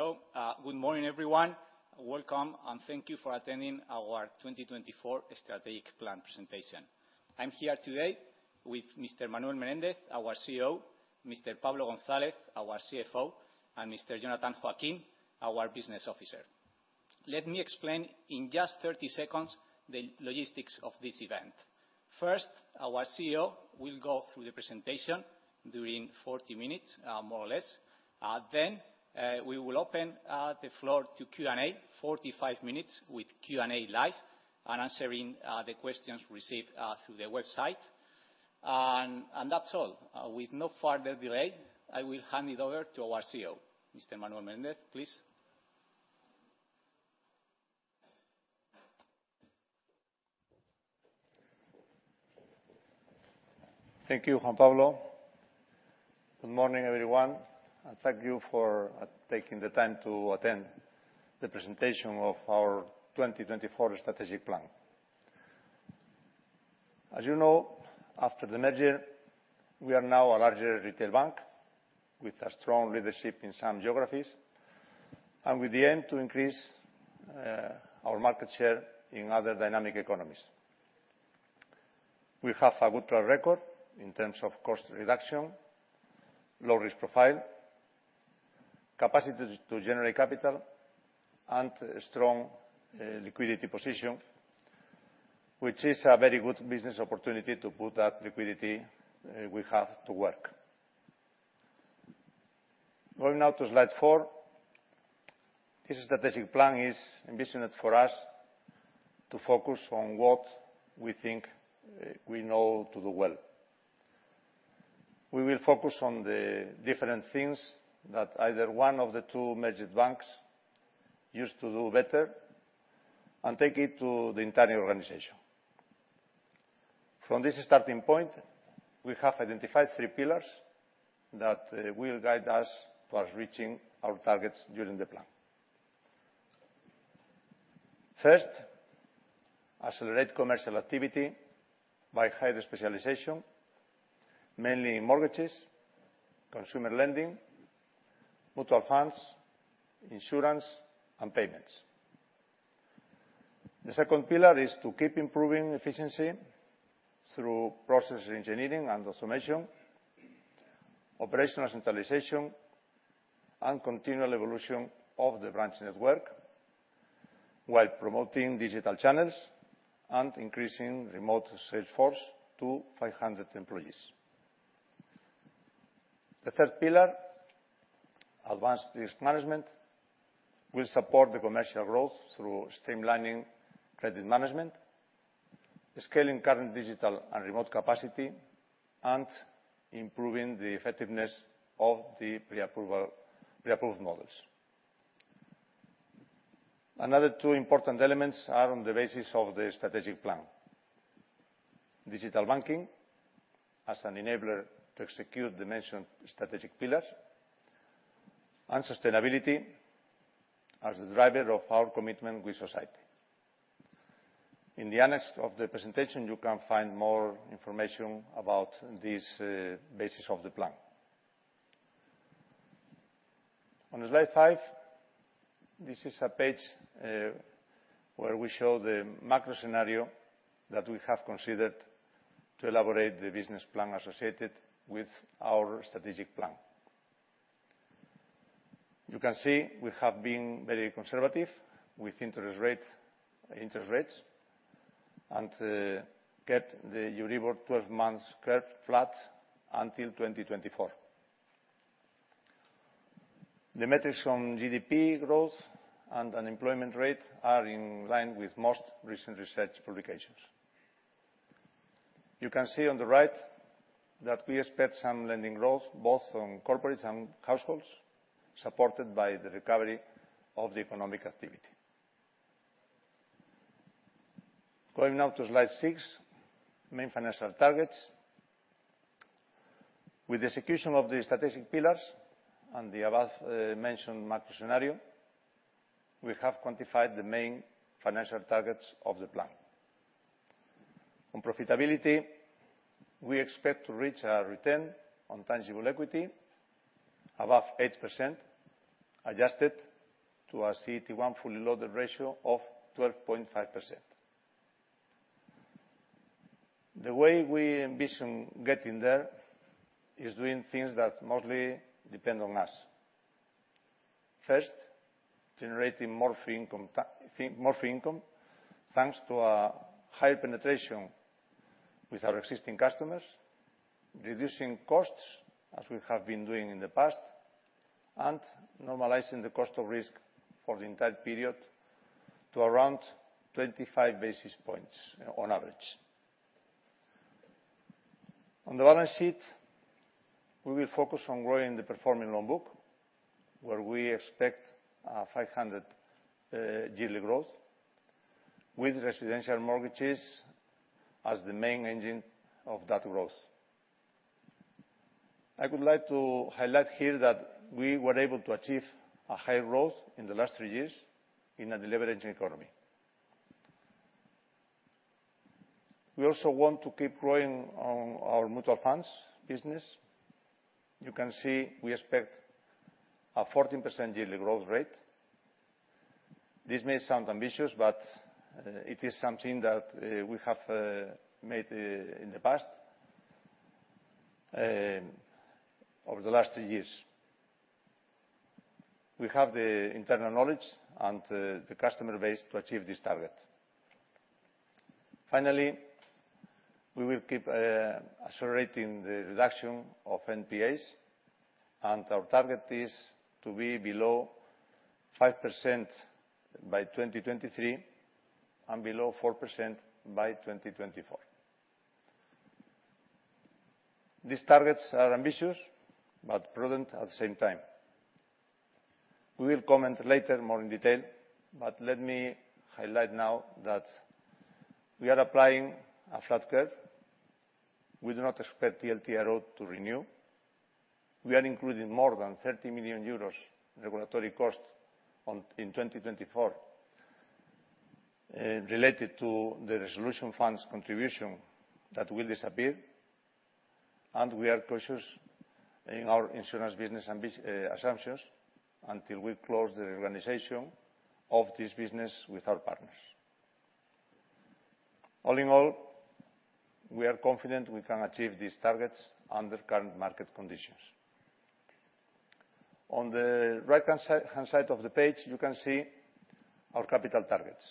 Hello. Good morning, everyone. Welcome, and thank you for attending our 2024 strategic plan presentation. I'm here today with Mr. Manuel Menéndez, our CEO, Mr. Pablo González, our CFO, and Mr. Jonathan Joaquín, our Business Officer. Let me explain in just 30 seconds the logistics of this event. First, our CEO will go through the presentation during 40 minutes, more or less. Then, we will open the floor to Q&A, 45 minutes with Q&A live and answering the questions received through the website. That's all. With no further delay, I will hand it over to our CEO. Mr. Manuel Menéndez, please. Thank you, Juan Pablo. Good morning, everyone, and thank you for taking the time to attend the presentation of our 2024 strategic plan. As you know, after the merger, we are now a larger retail bank with a strong leadership in some geographies and with the aim to increase our market share in other dynamic economies. We have a good track record in terms of cost reduction, low risk profile, capacity to generate capital, and strong liquidity position, which is a very good business opportunity to put that liquidity we have to work. Going now to slide 4. This strategic plan is ambitious for us to focus on what we think we know to do well. We will focus on the different things that either one of the two major banks used to do better and take it to the entire organization. From this starting point, we have identified three pillars that will guide us towards reaching our targets during the plan. First, accelerate commercial activity by higher specialization, mainly in mortgages, consumer lending, mutual funds, insurance, and payments. The second pillar is to keep improving efficiency through process engineering and automation, operational centralization, and continual evolution of the branch network while promoting digital channels and increasing remote sales force to 500 employees. The third pillar, advanced risk management, will support the commercial growth through streamlining credit management, scaling current digital and remote capacity, and improving the effectiveness of the pre-approval, pre-approved models. Another two important elements are on the basis of the strategic plan. Digital banking as an enabler to execute the mentioned strategic pillars, and sustainability as a driver of our commitment with society. In the annex of the presentation, you can find more information about this, basis of the plan. On slide 5, this is a page, where we show the macro scenario that we have considered to elaborate the business plan associated with our strategic plan. You can see we have been very conservative with interest rates and get the Euribor twelve-month curve flat until 2024. The metrics on GDP growth and unemployment rate are in line with most recent research publications. You can see on the right that we expect some lending growth both from corporates and households, supported by the recovery of the economic activity. Going now to slide 6, main financial targets. With the execution of the strategic pillars and the above mentioned macro scenario, we have quantified the main financial targets of the plan. On profitability, we expect to reach a return on tangible equity above 8%, adjusted to a CET1 fully loaded ratio of 12.5%. The way we envision getting there is doing things that mostly depend on us. First, generating more fee income, thanks to a high penetration with our existing customers, reducing costs as we have been doing in the past, and normalizing the cost of risk for the entire period to around 25 basis points on average. On the balance sheet, we will focus on growing the performing loan book, where we expect a 500 yearly growth with residential mortgages as the main engine of that growth. I would like to highlight here that we were able to achieve a high growth in the last 3 years in a deleveraging economy. We also want to keep growing on our mutual funds business. You can see we expect a 14% yearly growth rate. This may sound ambitious, but it is something that we have made in the past over the last 2 years. We have the internal knowledge and the customer base to achieve this target. Finally, we will keep accelerating the reduction of NPAs, and our target is to be below 5% by 2023 and below 4% by 2024. These targets are ambitious, but prudent at the same time. We will comment later more in detail, but let me highlight now that we are applying a flat curve. We do not expect the TLTRO to renew. We are including more than 30 million euros in regulatory costs in 2024, related to the resolution funds contribution that will disappear, and we are cautious in our insurance business and business assumptions until we close the reorganization of this business with our partners. All in all, we are confident we can achieve these targets under current market conditions. On the right-hand side of the page, you can see our capital targets.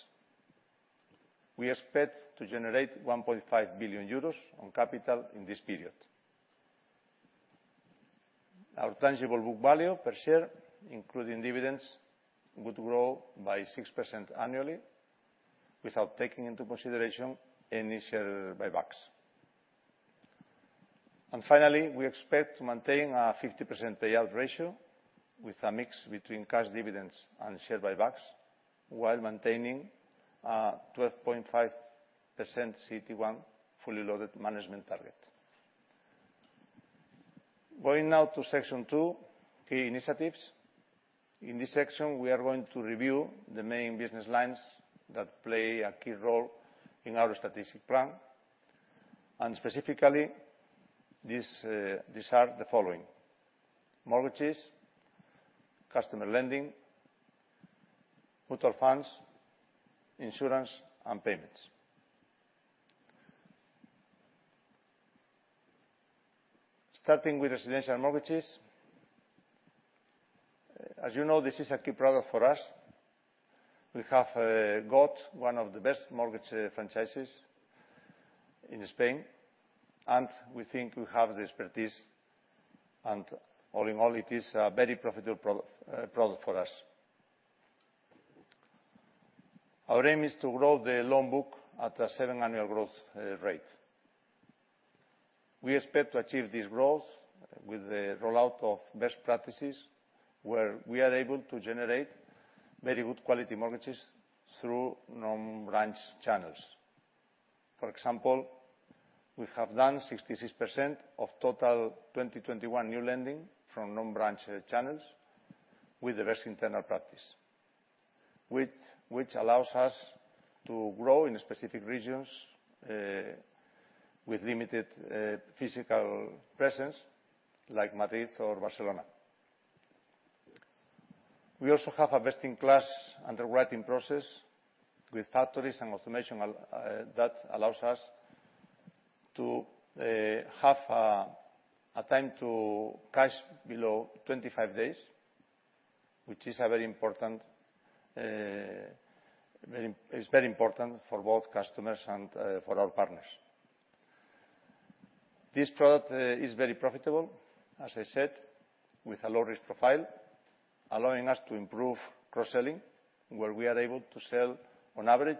We expect to generate 1.5 billion euros in capital in this period. Our tangible book value per share, including dividends, would grow by 6% annually without taking into consideration any share buybacks. Finally, we expect to maintain a 50% payout ratio with a mix between cash dividends and share buybacks while maintaining a 12.5% CET1 fully loaded management target. Going now to section two, key initiatives. In this section, we are going to review the main business lines that play a key role in our strategic plan. Specifically, these are the following, mortgages, customer lending, mutual funds, insurance, and payments. Starting with residential mortgages, as you know, this is a key product for us. We have got one of the best mortgage franchises in Spain, and we think we have the expertise. All in all, it is a very profitable product for us. Our aim is to grow the loan book at a 7% annual growth rate. We expect to achieve this growth with the rollout of best practices where we are able to generate very good quality mortgages through non-branch channels. For example, we have done 66% of total 2021 new lending from non-branch channels with the best internal practice, which allows us to grow in specific regions with limited physical presence, like Madrid or Barcelona. We also have a best-in-class underwriting process with factories and automation that allows us to have a time to cash below 25 days, which is very important for both customers and for our partners. This product is very profitable, as I said, with a low risk profile, allowing us to improve cross-selling, where we are able to sell, on average,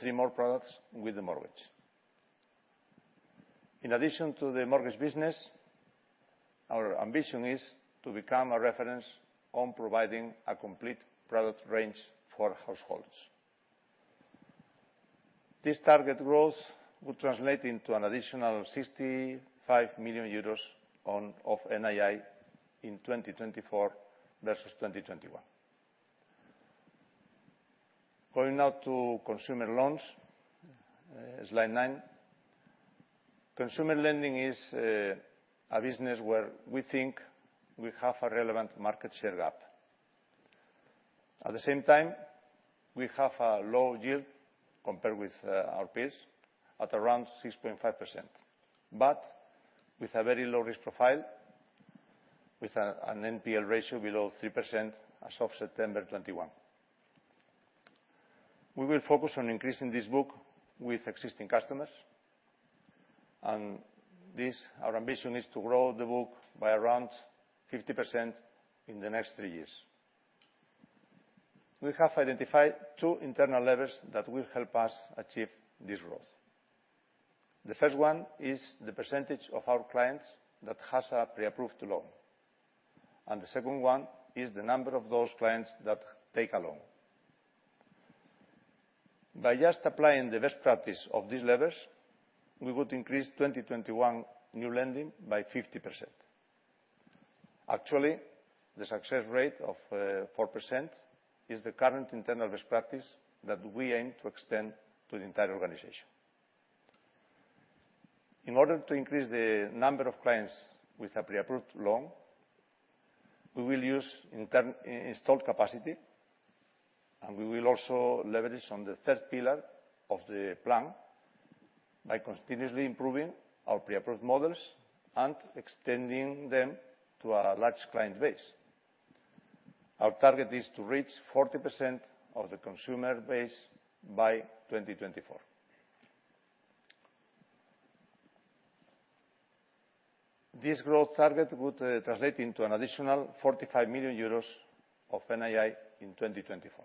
three more products with the mortgage. In addition to the mortgage business, our ambition is to become a reference on providing a complete product range for households. These target growth will translate into an additional 65 million euros of NII in 2024 versus 2021. Going now to consumer loans, slide 9. Consumer lending is a business where we think we have a relevant market share gap. At the same time, we have a low yield compared with our peers at around 6.5%, but with a very low risk profile, with an NPL ratio below 3% as of September 2021. We will focus on increasing this book with existing customers. This, our ambition is to grow the book by around 50% in the next three years. We have identified two internal levers that will help us achieve this growth. The first one is the percentage of our clients that has a pre-approved loan. The second one is the number of those clients that take a loan. By just applying the best practice of these levers, we would increase 2021 new lending by 50%. Actually, the success rate of 4% is the current internal best practice that we aim to extend to the entire organization. In order to increase the number of clients with a pre-approved loan, we will use installed capacity, and we will also leverage on the third pillar of the plan by continuously improving our pre-approved models and extending them to our large client base. Our target is to reach 40% of the consumer base by 2024. This growth target would translate into an additional 45 million euros of NII in 2024.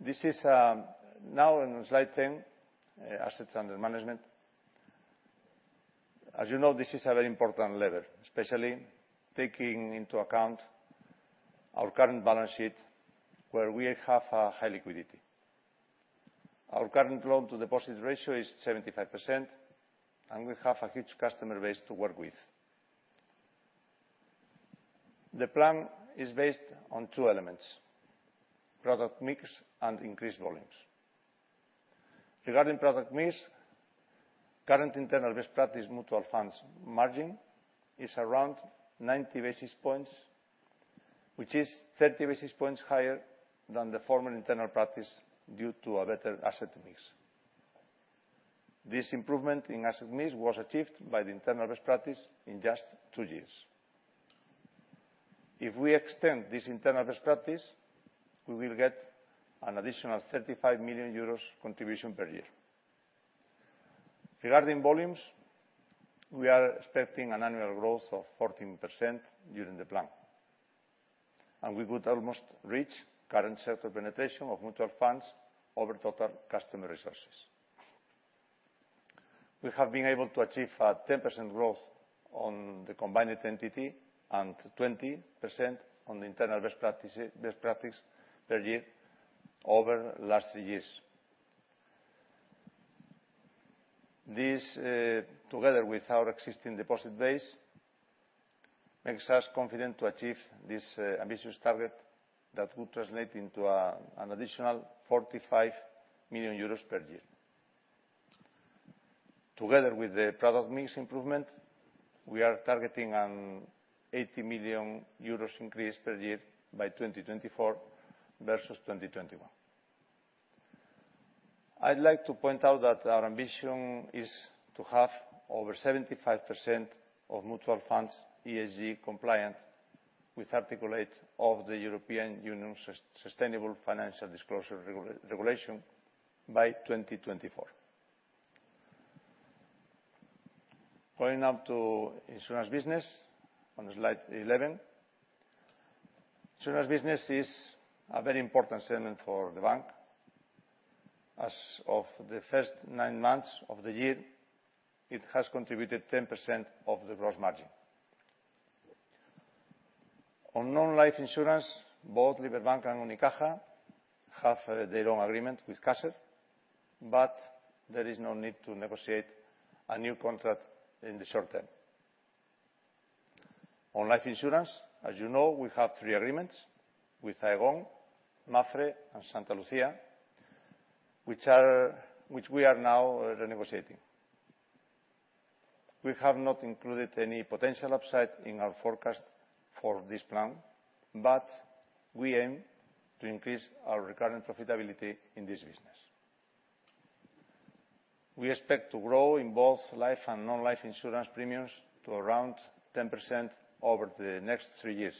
This is now on slide 10, assets under management. As you know, this is a very important lever, especially taking into account our current balance sheet, where we have a high liquidity. Our current loan-to-deposit ratio is 75%, and we have a huge customer base to work with. The plan is based on two elements, product mix and increased volumes. Regarding product mix, current internal best practice mutual funds margin is around 90 basis points, which is 30 basis points higher than the former internal practice due to a better asset mix. This improvement in asset mix was achieved by the internal best practice in just two years. If we extend this internal best practice, we will get an additional 35 million euros contribution per year. Regarding volumes, we are expecting an annual growth of 14% during the plan, and we could almost reach current sector penetration of mutual funds over total customer resources. We have been able to achieve a 10% growth on the combined entity and 20% on the internal best practice per year over last years. This, together with our existing deposit base, makes us confident to achieve this ambitious target that would translate into an additional 45 million euros per year. Together with the product mix improvement, we are targeting an 80 million euros increase per year by 2024 versus 2021. I'd like to point out that our ambition is to have over 75% of mutual funds ESG compliant with Article 8 of the European Union Sustainable Finance Disclosure Regulation by 2024. Going now to insurance business on slide 11. Insurance business is a very important segment for the bank. As of the first nine months of the year, it has contributed 10% of the gross margin. On non-life insurance, both Liberbank and Unicaja have their own agreement with Caser, but there is no need to negotiate a new contract in the short term. On life insurance, as you know, we have three agreements with Aegon, MAPFRE, and Santalucía, which are, which we are now renegotiating. We have not included any potential upside in our forecast for this plan, but we aim to increase our recurrent profitability in this business. We expect to grow in both life and non-life insurance premiums to around 10% over the next three years.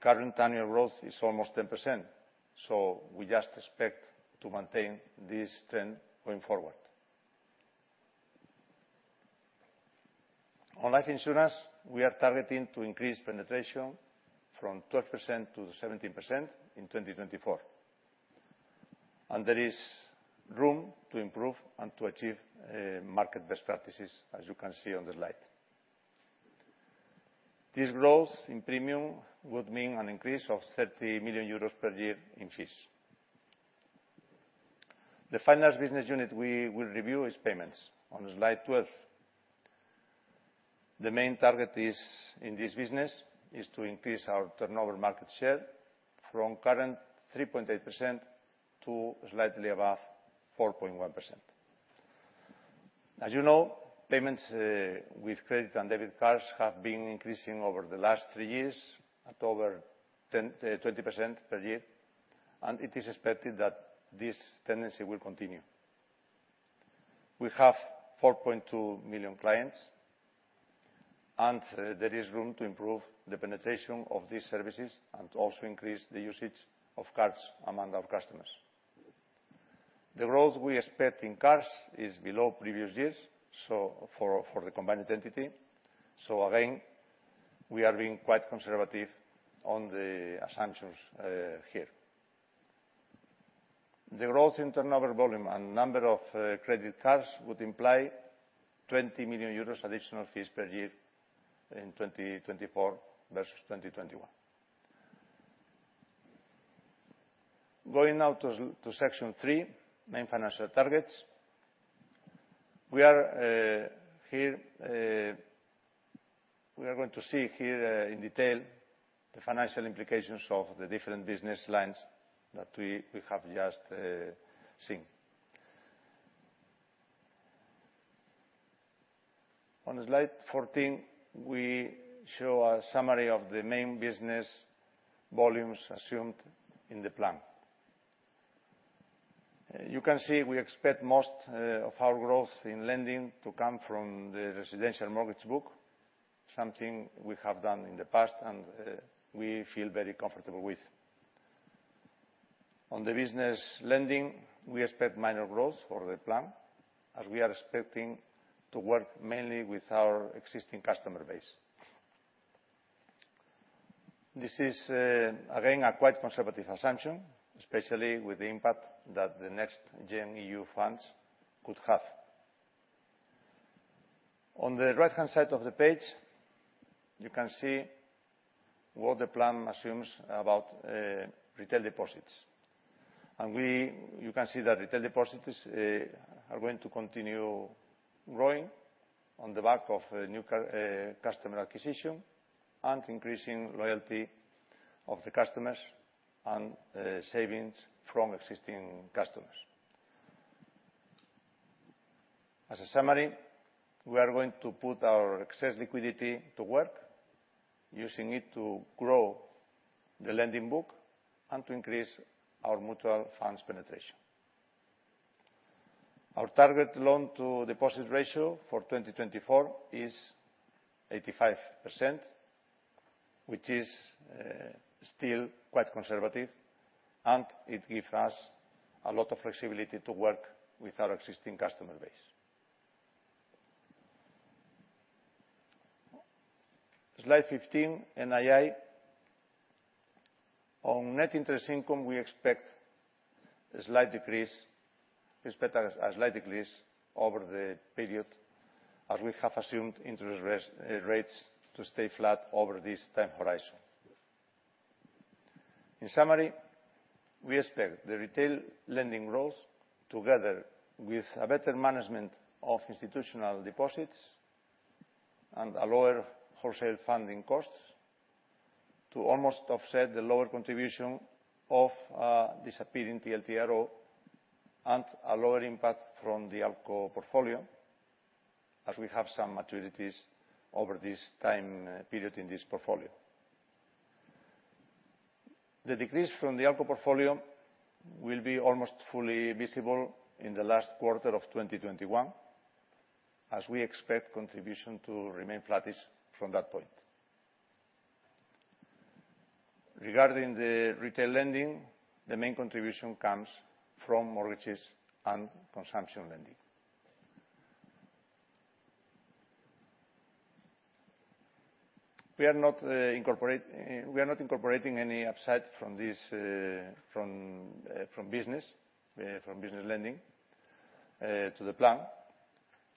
Current annual growth is almost 10%, so we just expect to maintain this trend going forward. On life insurance, we are targeting to increase penetration from 12% to 17% in 2024, and there is room to improve and to achieve market best practices, as you can see on the slide. This growth in premium would mean an increase of 30 million euros per year in fees. The final business unit we will review is payments on slide 12. The main target, in this business, is to increase our turnover market share from current 3.8% to slightly above 4.1%. As you know, payments with credit and debit cards have been increasing over the last 3 years at over 10, 20% per year, and it is expected that this tendency will continue. We have 4.2 million clients, and there is room to improve the penetration of these services and also increase the usage of cards among our customers. The growth we expect in cards is below previous years, so for the combined entity. Again, we are being quite conservative on the assumptions here. The growth in turnover volume and number of credit cards would imply 20 million euros additional fees per year in 2024 versus 2021. Going out to section three, main financial targets. We are here, we are going to see here in detail the financial implications of the different business lines that we have just seen. On slide 14, we show a summary of the main business volumes assumed in the plan. You can see we expect most of our growth in lending to come from the residential mortgage book, something we have done in the past and we feel very comfortable with. On the business lending, we expect minor growth for the plan, as we are expecting to work mainly with our existing customer base. This is again a quite conservative assumption, especially with the impact that the Next Generation EU funds could have. On the right-hand side of the page, you can see what the plan assumes about retail deposits. You can see that retail deposits are going to continue growing on the back of a new customer acquisition and increasing loyalty of the customers and savings from existing customers. As a summary, we are going to put our excess liquidity to work, using it to grow the lending book and to increase our mutual funds penetration. Our target loan-to-deposit ratio for 2024 is 85%, which is still quite conservative, and it give us a lot of flexibility to work with our existing customer base. Slide 15, NII. On net interest income, we expect a slight decrease over the period, as we have assumed interest rates to stay flat over this time horizon. In summary, we expect the retail lending growth, together with a better management of institutional deposits and a lower wholesale funding costs, to almost offset the lower contribution of disappearing TLTRO and a lower impact from the ALCO portfolio, as we have some maturities over this time period in this portfolio. The decrease from the ALCO portfolio will be almost fully visible in the last quarter of 2021, as we expect contribution to remain flattish from that point. Regarding the retail lending, the main contribution comes from mortgages and consumption lending. We are not incorporating any upside from this business lending to the plan.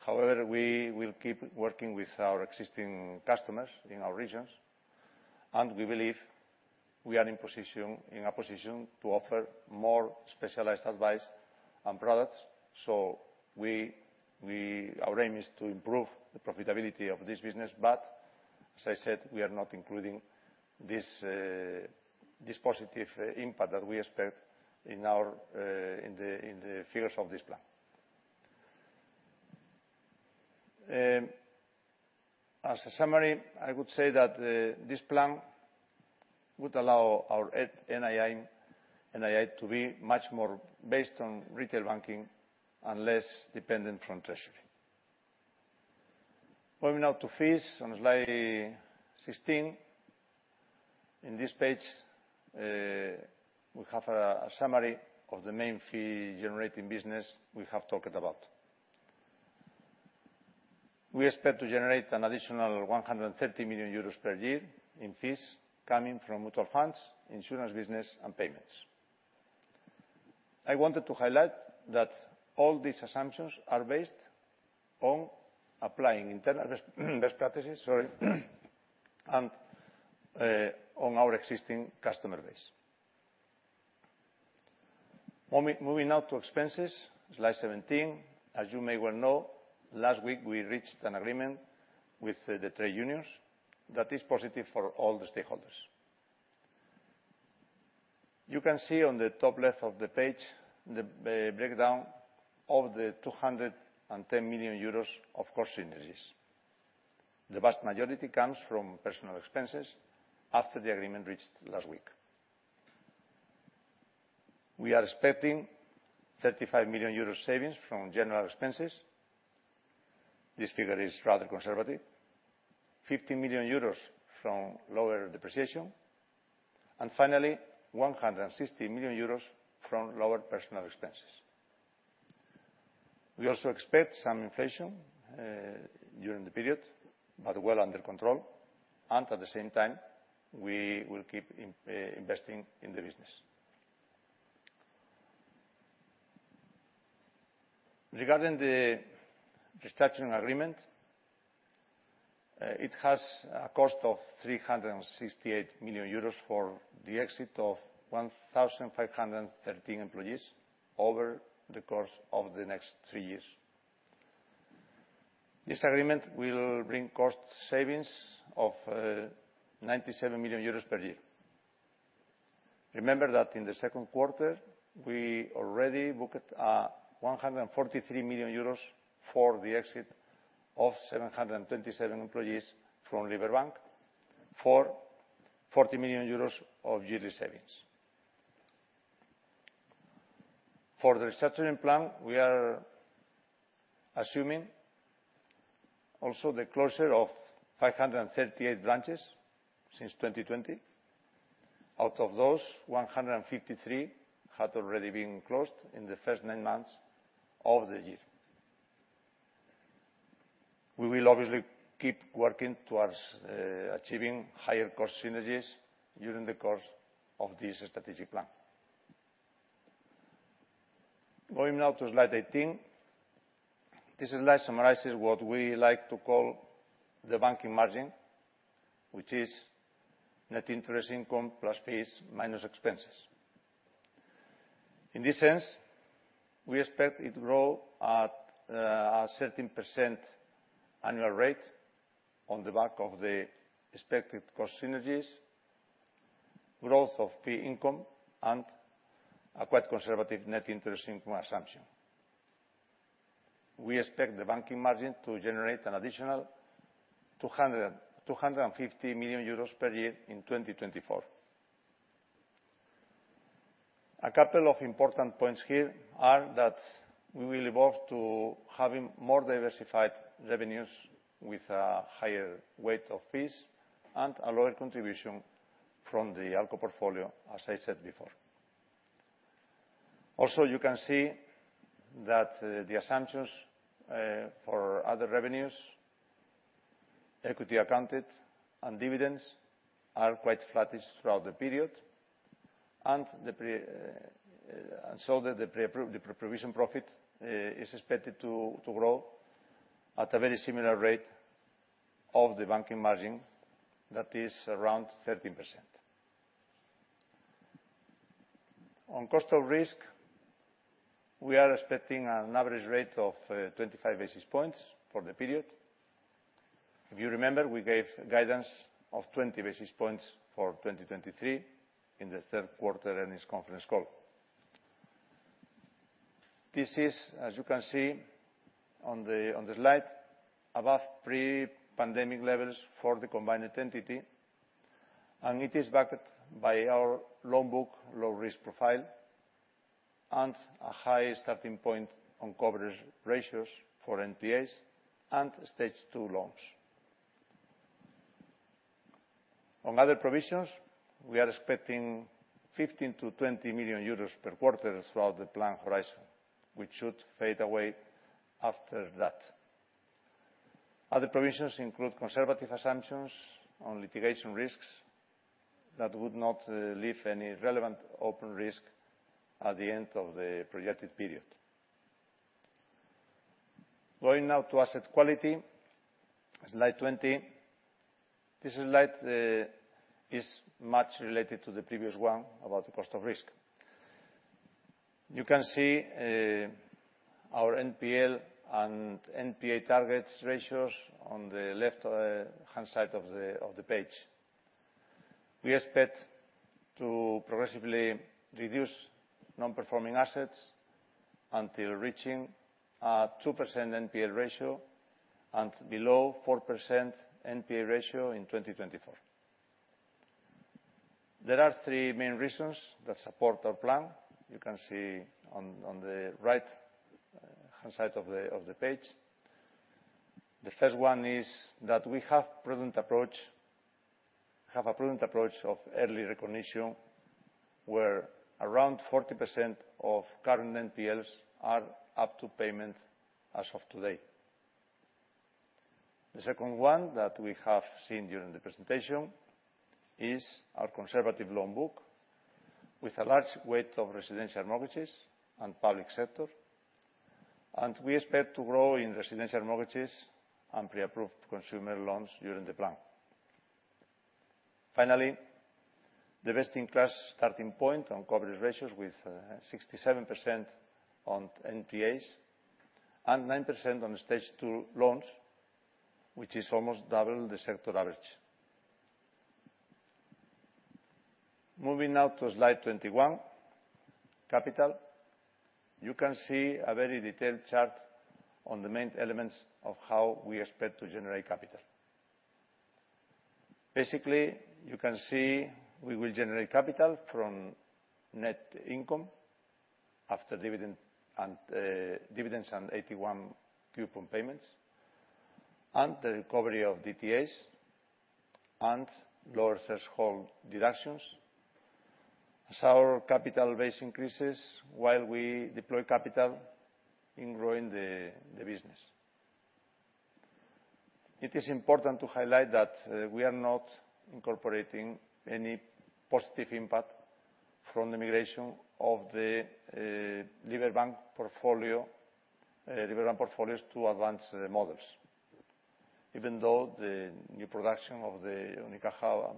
However, we will keep working with our existing customers in our regions, and we believe we are in a position to offer more specialized advice and products. Our aim is to improve the profitability of this business. As I said, we are not including this positive impact that we expect in the figures of this plan. As a summary, I would say that this plan would allow our NII to be much more based on retail banking and less dependent from treasury. Moving on to fees on slide 16. In this page, we have a summary of the main fee generating business we have talked about. We expect to generate an additional 130 million euros per year in fees coming from mutual funds, insurance business, and payments. I wanted to highlight that all these assumptions are based on applying internal best practices, sorry, and on our existing customer base. Moving now to expenses, slide 17. As you may well know, last week we reached an agreement with the trade unions that is positive for all the stakeholders. You can see on the top left of the page the breakdown of the 210 million euros of cost synergies. The vast majority comes from personnel expenses after the agreement reached last week. We are expecting 35 million euros savings from general expenses. This figure is rather conservative. 50 million euros from lower depreciation. Finally, 160 million euros from lower personal expenses. We also expect some inflation during the period, but well under control, and at the same time, we will keep investing in the business. Regarding the restructuring agreement, it has a cost of 368 million euros for the exit of 1,513 employees over the course of the next 3 years. This agreement will bring cost savings of 97 million euros per year. Remember that in the second quarter, we already booked 143 million euros for the exit of 727 employees from Liberbank for 40 million euros of yearly savings. For the restructuring plan, we are assuming also the closure of 538 branches since 2020. Out of those, 153 had already been closed in the first nine months of the year. We will obviously keep working towards achieving higher cost synergies during the course of this strategic plan. Going now to slide 18. This slide summarizes what we like to call the banking margin, which is net interest income plus fees, minus expenses. In this sense, we expect it to grow at a certain % annual rate on the back of the expected cost synergies, growth of fee income, and a quite conservative net interest income assumption. We expect the banking margin to generate an additional 250 million euros per year in 2024. A couple of important points here are that we will evolve to having more diversified revenues with a higher weight of fees and a lower contribution from the ALCO portfolio, as I said before. Also, you can see that, the assumptions for other revenues, equity accounted and dividends are quite flattish throughout the period. The pre-provision profit is expected to grow at a very similar rate of the banking margin that is around 13%. On cost of risk, we are expecting an average rate of 25 basis points for the period. If you remember, we gave guidance of 20 basis points for 2023 in the third quarter earnings conference call. This is, as you can see on the slide, above pre-pandemic levels for the combined entity, and it is backed by our loan book low risk profile and a high starting point on coverage ratios for NPAs and Stage 2 loans. On other provisions, we are expecting 15 million-20 million euros per quarter throughout the plan horizon, which should fade away after that. Other provisions include conservative assumptions on litigation risks that would not leave any relevant open risk at the end of the projected period. Going now to asset quality, slide 20. This slide is much related to the previous one about the cost of risk. You can see our NPL and NPA targets ratios on the left-hand side of the page. We expect to progressively reduce non-performing assets until reaching a 2% NPL ratio and below 4% NPA ratio in 2024. There are three main reasons that support our plan. You can see on the right hand side of the page. The first one is that we have a prudent approach of early recognition, where around 40% of current NPLs are up to payment as of today. The second one that we have seen during the presentation is our conservative loan book with a large weight of residential mortgages and public sector. We expect to grow in residential mortgages and pre-approved consumer loans during the plan. Finally, the best-in-class starting point on coverage ratios with 67% on NPAs and 9% on Stage Two loans, which is almost double the sector average. Moving now to slide 21, capital. You can see a very detailed chart on the main elements of how we expect to generate capital. Basically, you can see we will generate capital from net income after dividend and dividends and AT1 coupon payments, and the recovery of DTAs, and lower threshold deductions as our capital base increases while we deploy capital in growing the business. It is important to highlight that we are not incorporating any positive impact from the migration of the Liberbank portfolio, Liberbank portfolios to advanced models. Even though the new production of the Unicaja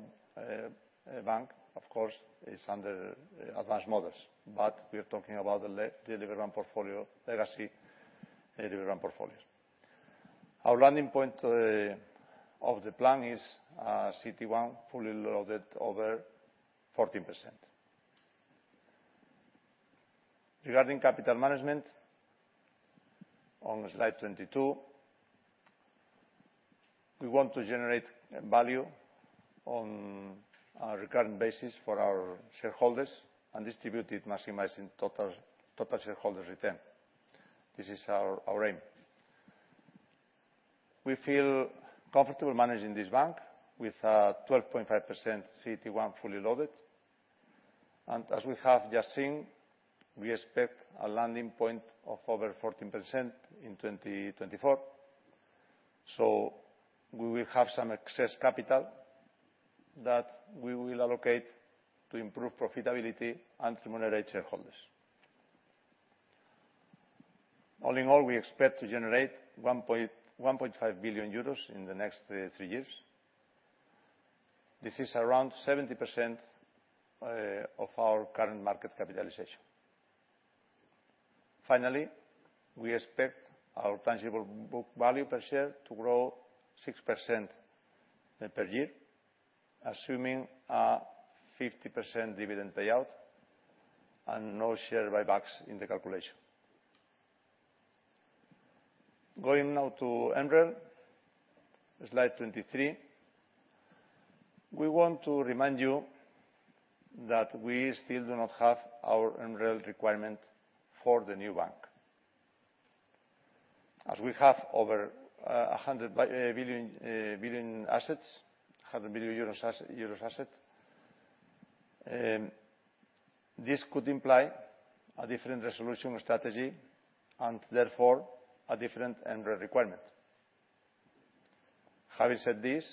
Banco, of course, is under advanced models. We are talking about the Liberbank portfolio, legacy Liberbank portfolio. Our landing point of the plan is CET1 fully loaded over 14%. Regarding capital management, on slide 22, we want to generate value on a recurring basis for our shareholders and distribute it, maximizing total shareholders' return. This is our aim. We feel comfortable managing this bank with 12.5% CET1 fully loaded. As we have just seen, we expect a landing point of over 14% in 2024. We will have some excess capital that we will allocate to improve profitability and to moderate shareholders. All in all, we expect to generate 1.5 billion euros in the next three years. This is around 70% of our current market capitalization. Finally, we expect our tangible book value per share to grow 6% per year, assuming a 50% dividend payout and no share buybacks in the calculation. Going now to MREL, slide 23. We want to remind you that we still do not have our MREL requirement for the new bank. As we have over 100 billion euros in assets, this could imply a different resolution strategy and therefore a different MREL requirement. Having said this,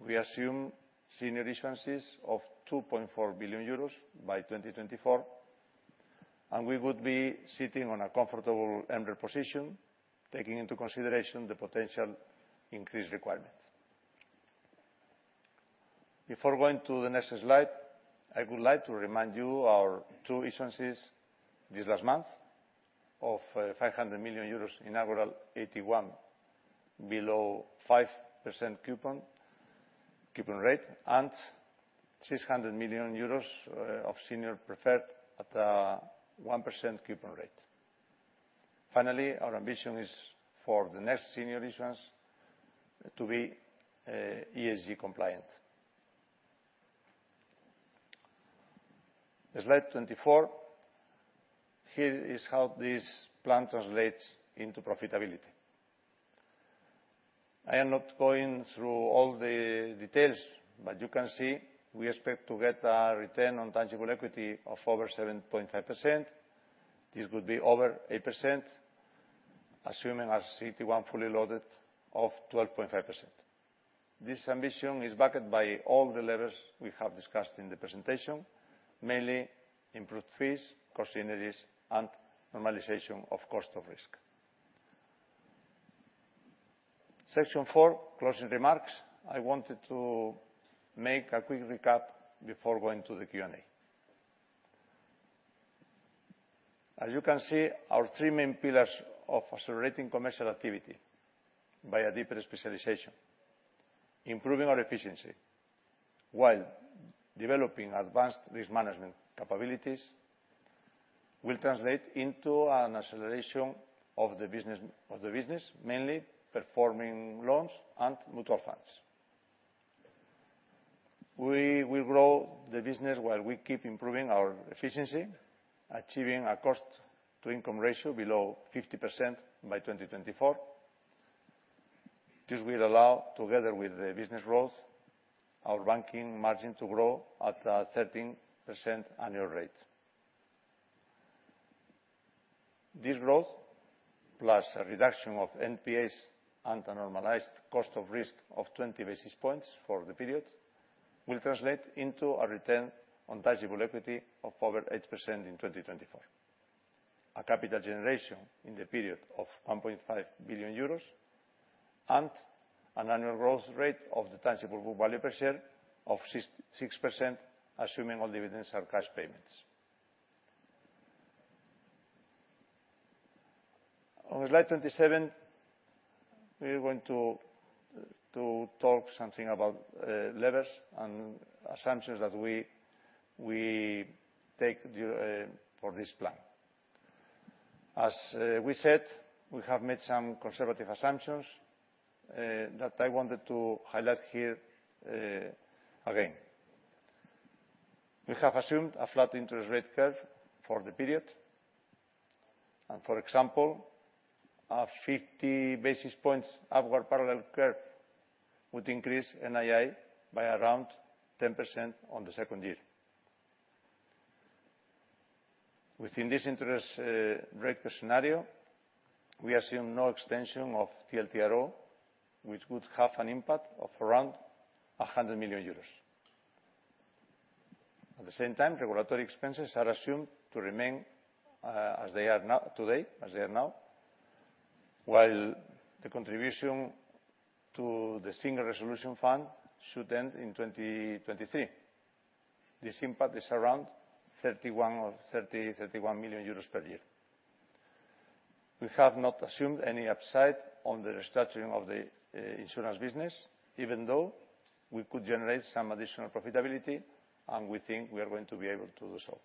we assume senior issuances of 2.4 billion euros by 2024, and we would be sitting on a comfortable MREL position, taking into consideration the potential increased requirements. Before going to the next slide, I would like to remind you our two issuances this last month of 500 million euros inaugural AT1 below 5% coupon rate and 600 million euros of senior preferred at a 1% coupon rate. Finally, our ambition is for the next senior issuance to be ESG compliant. Slide 24. Here is how this plan translates into profitability. I am not going through all the details, but you can see we expect to get a return on tangible equity of over 7.5%. This would be over 8%, assuming our CET1 fully loaded of 12.5%. This ambition is backed by all the levers we have discussed in the presentation, mainly improved fees, cost synergies, and normalization of cost of risk. Section 4, closing remarks. I wanted to make a quick recap before going to the Q&A. As you can see, our three main pillars of accelerating commercial activity via deeper specialization, improving our efficiency while developing advanced risk management capabilities, will translate into an acceleration of the business, mainly performing loans and mutual funds. We will grow the business while we keep improving our efficiency, achieving a cost-to-income ratio below 50% by 2024. This will allow, together with the business growth, our banking margin to grow at a 13% annual rate. This growth, plus a reduction of NPAs and a normalized cost of risk of 20 basis points for the period, will translate into a return on tangible equity of over 8% in 2024, a capital generation in the period of 1.5 billion euros, and an annual growth rate of the tangible book value per share of 6.6%, assuming all dividends are cash payments. On slide 27, we're going to talk about something, levers and assumptions that we take for this plan. As we said, we have made some conservative assumptions that I wanted to highlight here again. We have assumed a flat interest rate curve for the period. For example, a 50 basis points upward parallel curve would increase NII by around 10% on the second year. Within this interest rate scenario, we assume no extension of TLTRO, which would have an impact of around 100 million euros. At the same time, regulatory expenses are assumed to remain as they are now, while the contribution to the Single Resolution Fund should end in 2023. This impact is around 31 million euros per year. We have not assumed any upside on the restructuring of the insurance business, even though we could generate some additional profitability, and we think we are going to be able to do so.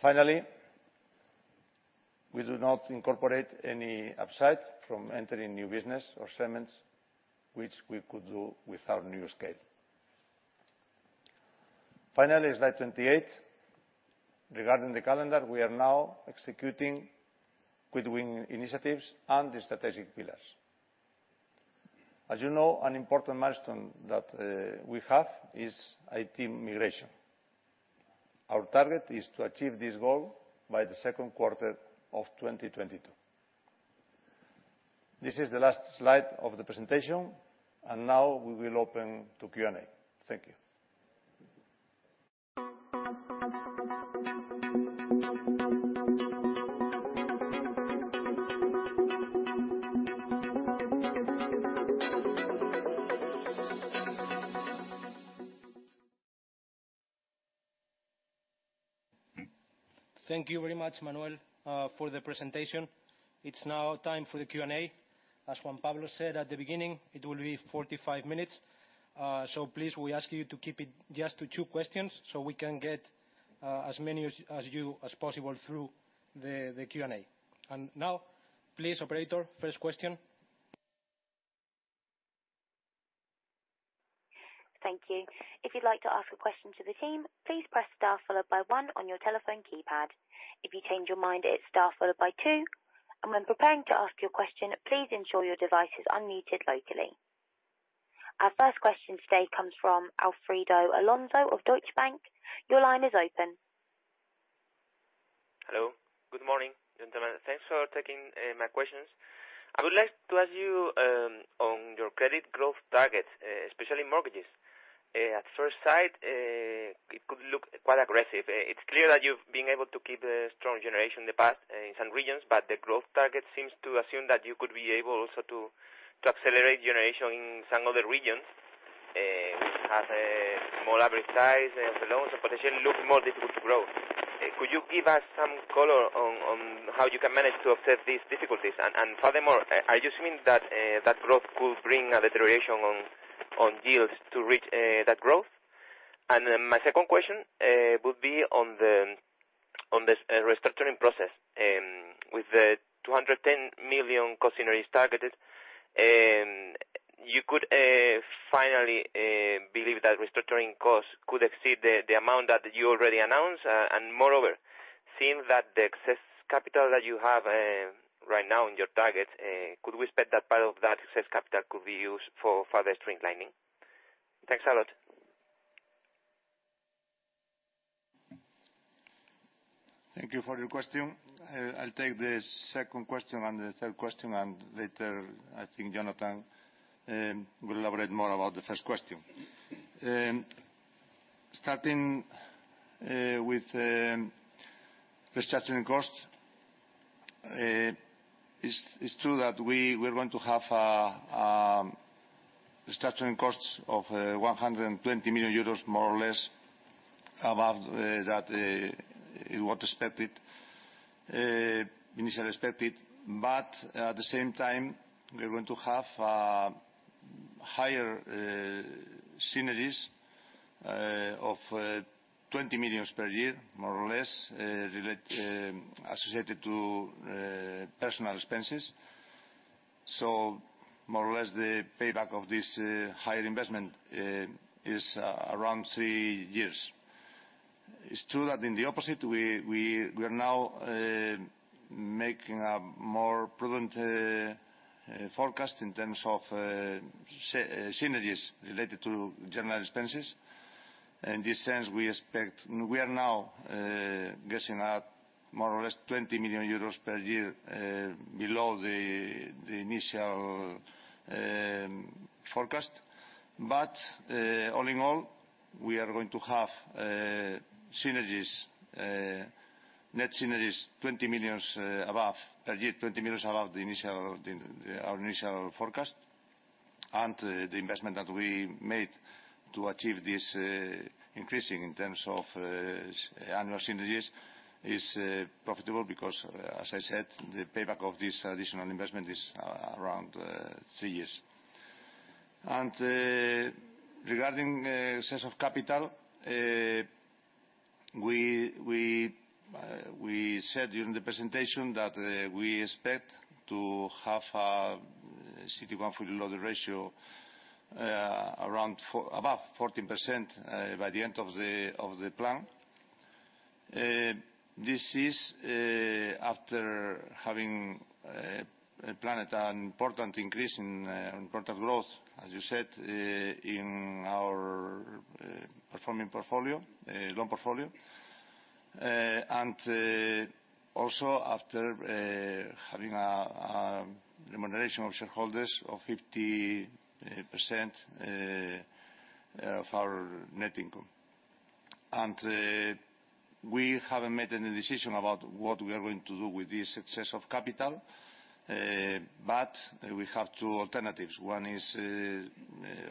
Finally, we do not incorporate any upside from entering new business or segments which we could do with our new scale. Finally, slide 28, regarding the calendar, we are now executing quick-win initiatives and the strategic pillars. As you know, an important milestone that we have is IT migration. Our target is to achieve this goal by the second quarter of 2022. This is the last slide of the presentation, and now we will open to Q&A. Thank you. Thank you very much, Manuel, for the presentation. It's now time for the Q&A. As Juan Pablo said at the beginning, it will be 45 minutes. So please, we ask you to keep it just to two questions so we can get as many as possible through the Q&A. Now, please, operator, first question. Thank you. If you'd like to ask a question to the team, please press star followed by one on your telephone keypad. If you change your mind, it's star followed by two. When preparing to ask your question, please ensure your device is unmuted locally. Our first question today comes from Alfredo Alonso of Deutsche Bank. Your line is open. Hello. Good morning, gentlemen. Thanks for taking my questions. I would like to ask you on your credit growth targets, especially mortgages. At first sight, it could look quite aggressive. It's clear that you've been able to keep a strong generation in the past in some regions, but the growth target seems to assume that you could be able also to accelerate generation in some other regions, which have a more average size of the loans and potentially look more difficult to grow. Could you give us some color on how you can manage to offset these difficulties? And furthermore, are you assuming that that growth could bring a deterioration on yields to reach that growth? My second question would be on the restructuring process. With the 210 million cost synergies targeted, you could finally believe that restructuring costs could exceed the amount that you already announced? Moreover, seeing that the excess capital that you have right now in your targets, could we expect that part of that excess capital could be used for further streamlining? Thanks a lot. Thank you for your question. I'll take the second question and the third question, and later, I think Jonathan will elaborate more about the first question. Starting with restructuring costs, it's true that we're going to have restructuring costs of 120 million euros, more or less, above what was initially expected. At the same time, we're going to have higher synergies of 20 million per year, more or less, associated to personnel expenses. More or less, the payback of this higher investment is around three years. It's true that in the opposite, we are now making a more prudent forecast in terms of synergies related to general expenses. In this sense, we expect... We are now guessing at more or less 20 million euros per year below the initial forecast. All in all, we are going to have net synergies 20 million above per year, 20 million above our initial forecast. The investment that we made to achieve this increasing in terms of annual synergies is profitable because, as I said, the payback of this additional investment is around 3 years. Regarding excess of capital, we said during the presentation that we expect to have a CET1 fully loaded ratio around 14%, above 14% by the end of the plan. This is after having planned an important increase in important growth, as you said, in our performing loan portfolio. Also after having a remuneration of shareholders of 50% of our net income. We haven't made any decision about what we are going to do with this excess capital. We have two alternatives. One is,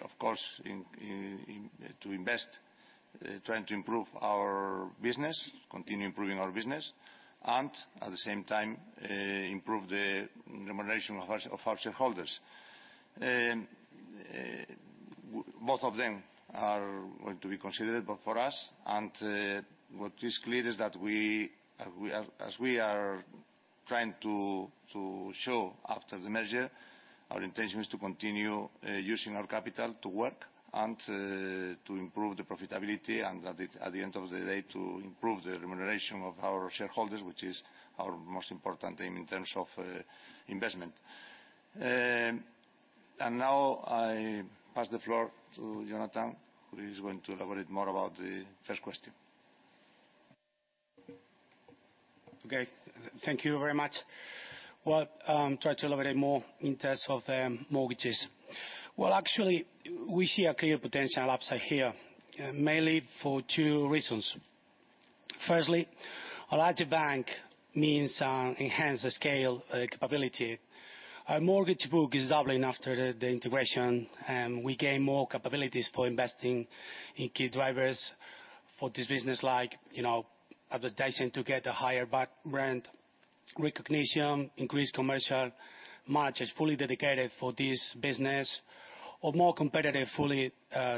of course, to invest trying to improve our business, continue improving our business, and at the same time, improve the remuneration of our shareholders. Both of them are going to be considered, but for us, what is clear is that we are, as we are trying to show after the merger, our intention is to continue using our capital to work and to improve the profitability and at the end of the day, to improve the remuneration of our shareholders, which is our most important thing in terms of investment. Now I pass the floor to Isidro Rubiales, who is going to elaborate more about the first question. Okay. Thank you very much. Well, try to elaborate more in terms of mortgages. Well, actually, we see a clear potential upside here, mainly for two reasons. Firstly, a larger bank means enhanced scale capability. Our mortgage book is doubling after the integration. We gain more capabilities for investing in key drivers for this business like, you know, advertising to get a higher brand recognition, increased commercial managers fully dedicated for this business, or more competitive, fully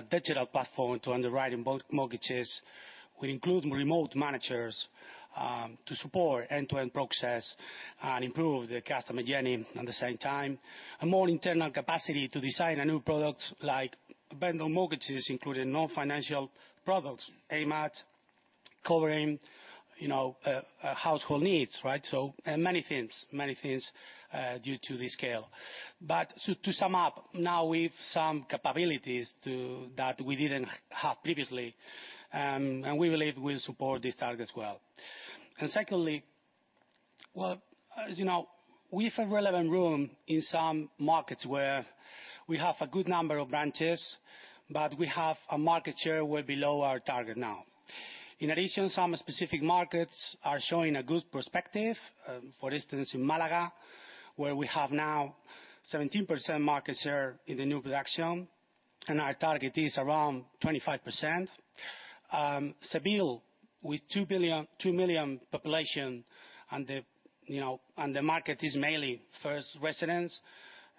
digital platform to underwriting both mortgages. We include remote managers to support end-to-end process and improve the customer journey at the same time. A more internal capacity to design a new product like bundle mortgages, including non-financial products, aimed at covering, you know, household needs, right? And many things due to the scale. To sum up, now we've some capabilities that we didn't have previously, and we believe will support this target as well. Secondly, as you know, we have a relevant room in some markets where we have a good number of branches, but we have a market share way below our target now. In addition, some specific markets are showing a good perspective, for instance, in Málaga, where we have now 17% market share in the new production, and our target is around 25%. Seville, with 2 million population and the market is mainly first residents,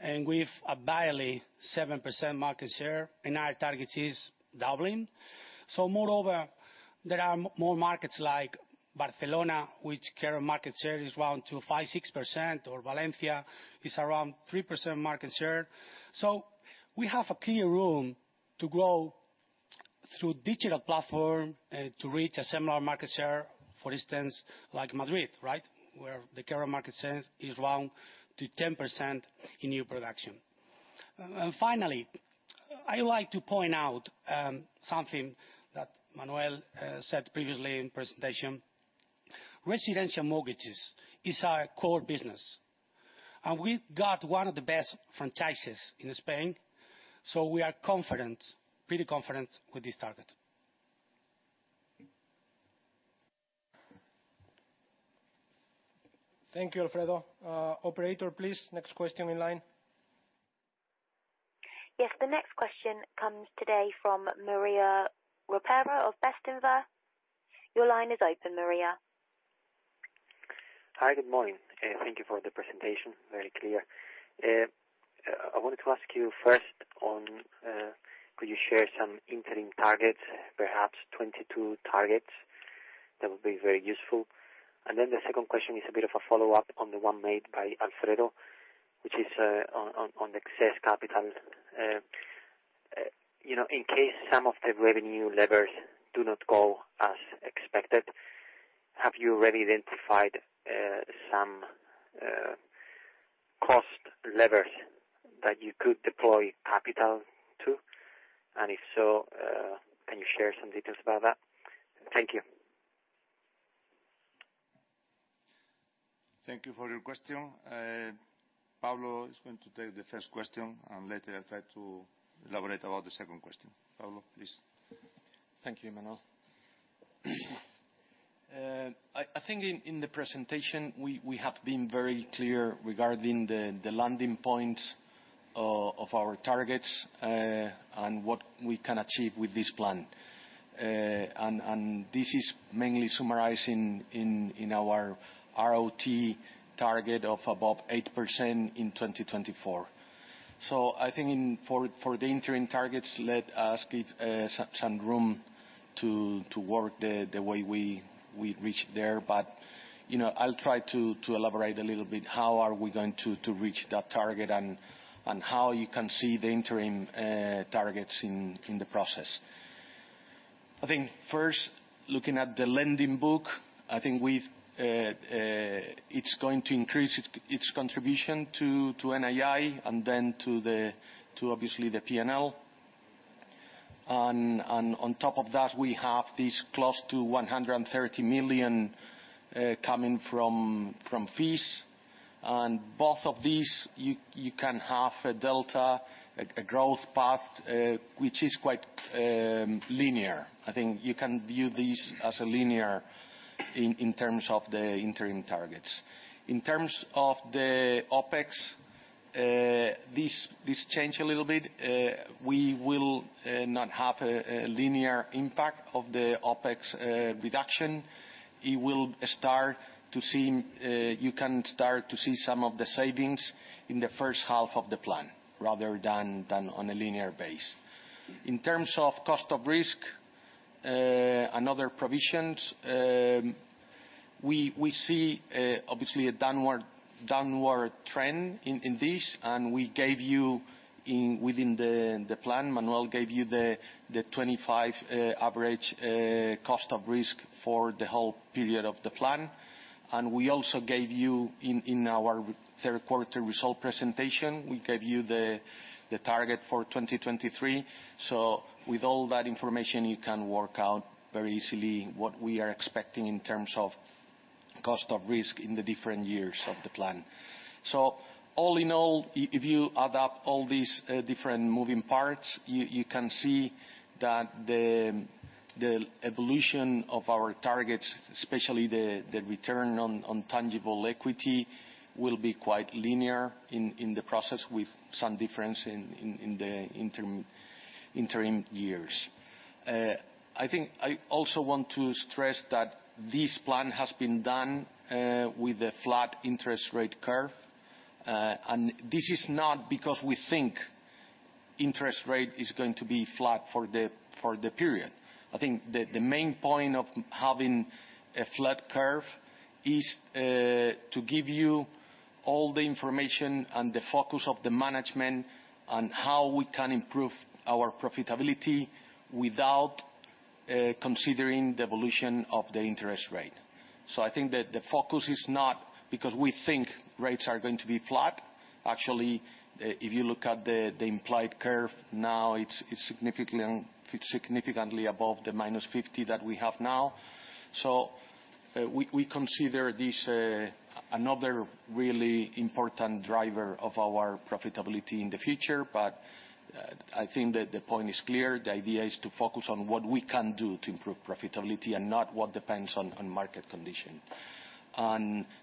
and we've barely 7% market share, and our target is doubling. Moreover, there are more markets like Barcelona, which current market share is around 5%-6%, or Valencia is around 3% market share. We have a clear room to grow through digital platform to reach a similar market share, for instance, like Madrid, right? Where the current market share is around 2%-10% in new production. Finally, I like to point out something that Manuel said previously in presentation. Residential mortgages is our core business. We've got one of the best franchises in Spain, so we are confident, pretty confident, with this target. Thank you, Alfredo. Operator, please, next question in line. Yes, the next question comes today from María Repáraz of Bestinver. Your line is open, María. Hi, good morning. Thank you for the presentation. Very clear. I wanted to ask you first on could you share some interim targets, perhaps 2022 targets? That would be very useful. The second question is a bit of a follow-up on the one made by Alfredo, which is on excess capital. You know, in case some of the revenue levers do not go as expected, have you already identified some cost levers that you could deploy capital to? If so, can you share some details about that? Thank you. Thank you for your question. Pablo is going to take the first question, and later I'll try to elaborate about the second question. Pablo, please. Thank you, Manuel. I think in the presentation, we have been very clear regarding the landing points of our targets, and what we can achieve with this plan. This is mainly summarized in our ROTE target of above 8% in 2024. I think, for the interim targets, let us give some room to work the way we reach there. But You know, I'll try to elaborate a little bit how we are going to reach that target and how you can see the interim targets in the process. I think first, looking at the lending book, I think it's going to increase its contribution to NII, and then to obviously the P&L. On top of that, we have this close to 130 million coming from fees. Both of these, you can have a delta, a growth path, which is quite linear. I think you can view this as a linear in terms of the interim targets. In terms of the OpEx, this changes a little bit. We will not have a linear impact of the OpEx reduction. It will start to seem, you can start to see some of the savings in the first half of the plan rather than on a linear basis. In terms of cost of risk and other provisions, we see obviously a downward trend in this, and we gave you within the plan, Manuel gave you the 25 average cost of risk for the whole period of the plan. We also gave you in our third quarter results presentation, we gave you the target for 2023. With all that information, you can work out very easily what we are expecting in terms of cost of risk in the different years of the plan. All in all, if you add up all these different moving parts, you can see that the evolution of our targets, especially the return on tangible equity, will be quite linear in the process with some difference in the interim years. I think I also want to stress that this plan has been done with a flat interest rate curve. This is not because we think interest rate is going to be flat for the period. I think the main point of having a flat curve is to give you all the information and the focus of the management on how we can improve our profitability without considering the evolution of the interest rate. I think that the focus is not because we think rates are going to be flat. Actually, if you look at the implied curve now, it's significantly above the -50 that we have now. We consider this another really important driver of our profitability in the future. I think that the point is clear. The idea is to focus on what we can do to improve profitability and not what depends on market condition.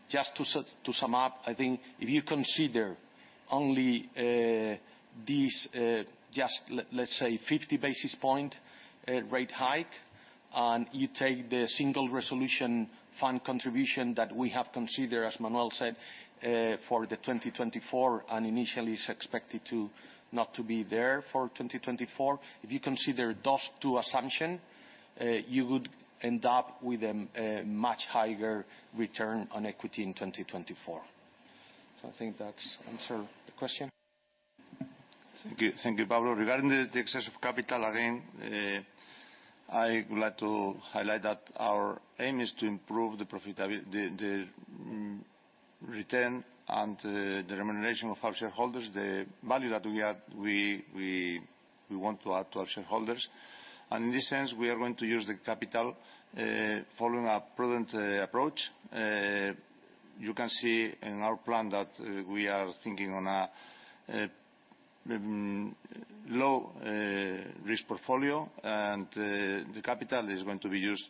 Just to sum up, I think if you consider only this just let's say 50 basis point rate hike, and you take the Single Resolution Fund contribution that we have considered, as Manuel said, for 2024, and initially it's expected to not to be there for 2024. If you consider those two assumption, you would end up with a much higher return on equity in 2024. I think that answers the question. Thank you. Thank you, Pablo. Regarding the excess of capital, again, I would like to highlight that our aim is to improve the profitability, the return and the remuneration of our shareholders, the value that we add, we want to add to our shareholders. In this sense, we are going to use the capital following a prudent approach. You can see in our plan that we are thinking on a low risk portfolio, and the capital is going to be used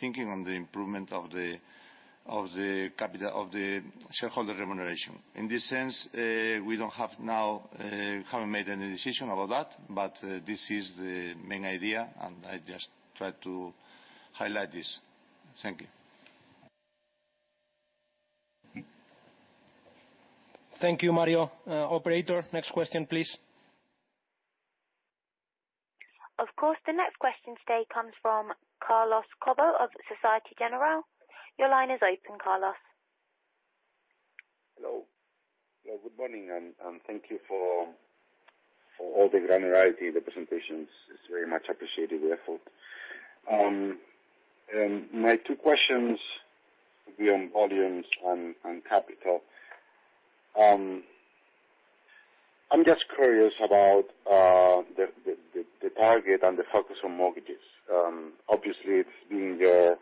thinking on the improvement of the capital, of the shareholder remuneration. In this sense, we don't have now, haven't made any decision about that, but this is the main idea, and I just try to highlight this. Thank you. Thank you, María. Operator, next question, please. Of course. The next question today comes from Carlos Cobo of Société Générale. Your line is open, Carlos. Hello. Yeah, good morning, and thank you for all the granularity representations. It's very much appreciated, the effort. My two questions will be on volumes and capital. I'm just curious about the target and the focus on mortgages. Obviously it's been your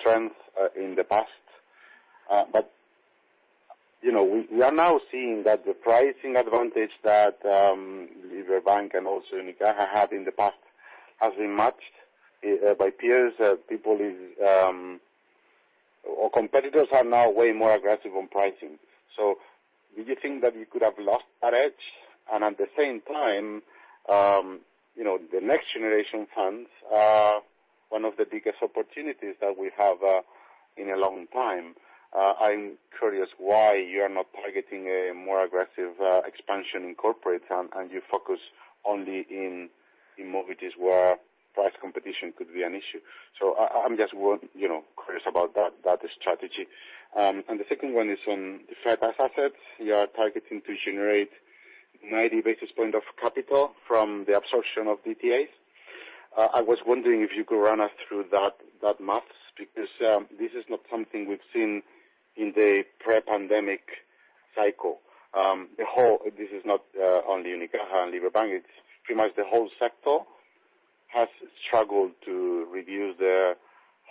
strength in the past, but you know, we are now seeing that the pricing advantage that Liberbank and also Unicaja had in the past has been matched by peers. Peers, or competitors are now way more aggressive on pricing. Do you think that you could have lost that edge? At the same time, you know, the Next Generation funds are one of the biggest opportunities that we have in a long time. I'm curious why you're not targeting a more aggressive expansion in corporate and you focus only in mortgages where price competition could be an issue. I'm just wondering, you know, curious about that strategy. The second one is on the fair value assets. You are targeting to generate 90 basis points of capital from the absorption of DTAs. I was wondering if you could run us through that math, because this is not something we've seen in the pre-pandemic cycle. This is not only Unicaja and Liberbank, it's pretty much the whole sector has struggled to reduce their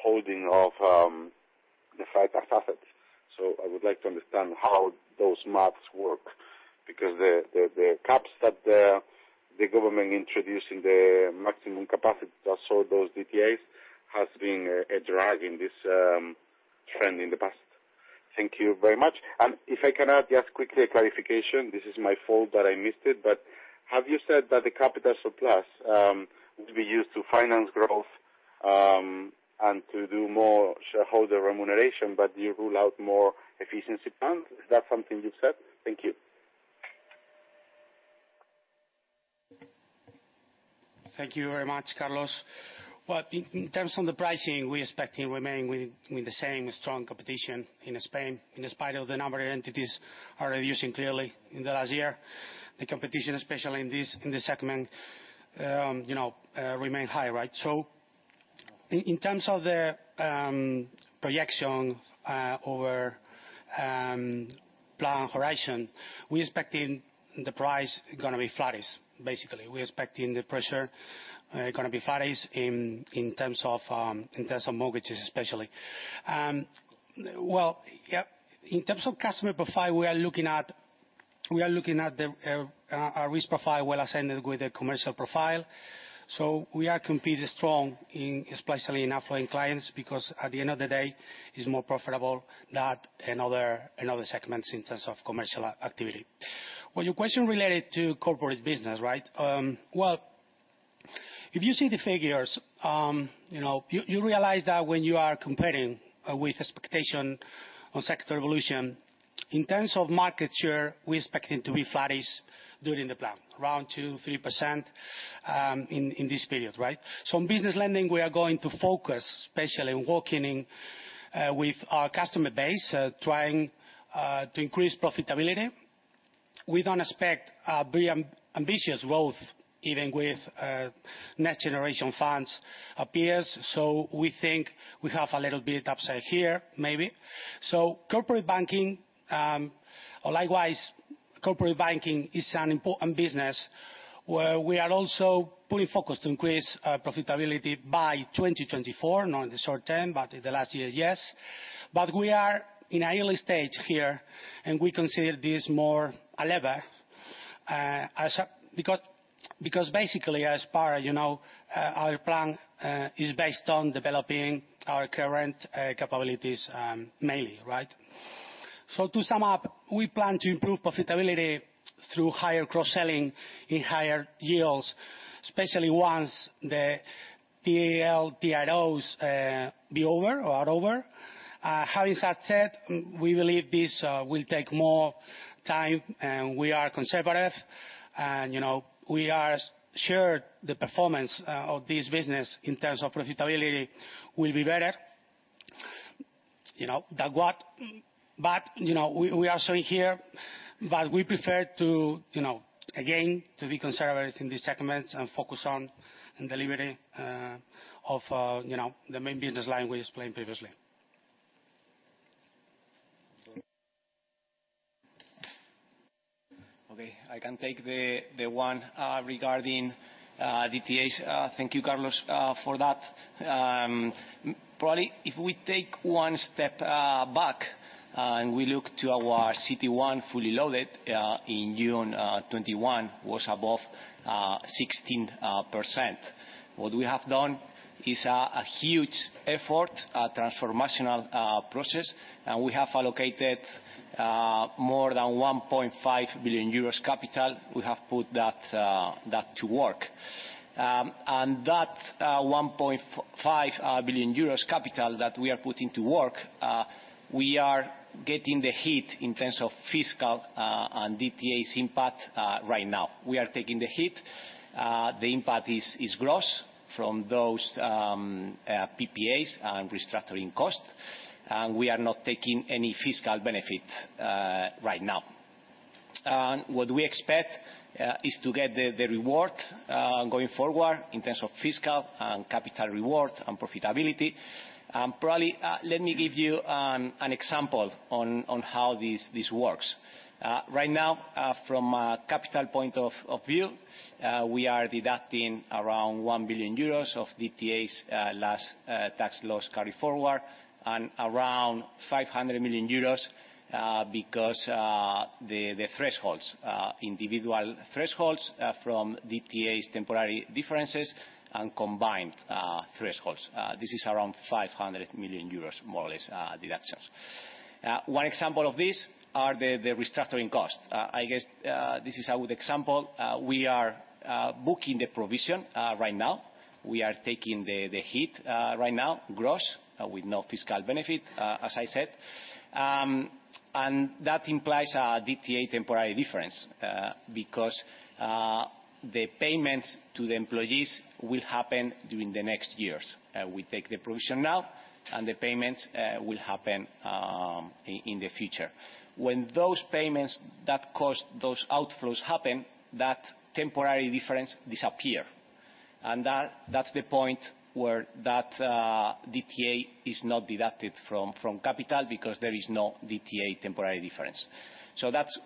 holding of the fair value assets. I would like to understand how those math work, because the caps that the government introduced in the maximum capacity to absorb those DTAs has been a drive in this trend in the past. Thank you very much. If I can add just quickly a clarification, this is my fault that I missed it, but have you said that the capital surplus will be used to finance growth and to do more shareholder remuneration, but you rule out more efficiency plans? Is that something you've said? Thank you. Thank you very much, Carlos. Well, in terms of the pricing, we're expecting to remain with the same strong competition in Spain. In spite of the number of entities are reducing clearly in the last year, the competition, especially in this segment, you know, remain high, right? In terms of the projection over plan horizon, we're expecting the price gonna be flattish, basically. We're expecting the pricing gonna be flattish in terms of mortgages especially. Well, yeah, in terms of customer profile, we are looking at a risk profile well-balanced with a commercial profile. We are competing strongly especially in affluent clients, because at the end of the day, it's more profitable than other segments in terms of commercial activity. Well, your question related to corporate business, right? If you see the figures, you know, you realize that when you are comparing with expectation on sector evolution, in terms of market share, we're expecting to be flattish during the plan, around 2%-3%, in this period, right? In business lending, we are going to focus, especially in working with our customer base, trying to increase profitability. We don't expect very ambitious growth, even with Next Generation EU funds. We think we have a little bit upside here, maybe. Corporate banking, or likewise, corporate banking is an important business where we are also putting focus to increase profitability by 2024. Not in the short term, but in the last year, yes. We are in an early stage here, and we consider this more a lever because basically, you know, our plan is based on developing our current capabilities, mainly, right? To sum up, we plan to improve profitability through higher cross-selling in higher yields, especially once the PPA, ICOs are over. Having that said, we believe this will take more time, and we are conservative. You know, we are sure the performance of this business in terms of profitability will be better, you know, than what we are showing here. We prefer to, you know, again, to be conservative in these segments and focus on the delivery of, you know, the main business line we explained previously. Okay, I can take the one regarding DTAs. Thank you, Carlos, for that. Probably if we take one step back and we look to our CET1 fully loaded in June 2021 was above 16%. What we have done is a huge effort, a transformational process. We have allocated more than 1.5 billion euros capital. We have put that to work. That 1.5 billion euros capital that we are putting to work, we are getting the hit in terms of fiscal and DTAs impact right now. We are taking the hit. The impact is gross from those PPAs and restructuring costs. We are not taking any fiscal benefit right now. What we expect is to get the reward going forward in terms of fiscal and capital reward and profitability. Probably, let me give you an example on how this works. Right now, from a capital point of view, we are deducting around 1 billion euros of DTAs, last tax loss carry forward, and around 500 million euros because the thresholds, individual thresholds, from DTAs temporary differences and combined thresholds. This is around 500 million euros, more or less, deductions. One example of this are the restructuring costs. I guess this is a good example. We are booking the provision right now. We are taking the hit right now, gross, with no fiscal benefit, as I said. That implies a DTA temporary difference, because the payments to the employees will happen during the next years. We take the provision now, and the payments will happen in the future. When those payments that cause those outflows happen, that temporary difference disappear. That's the point where that DTA is not deducted from capital because there is no DTA temporary difference. That's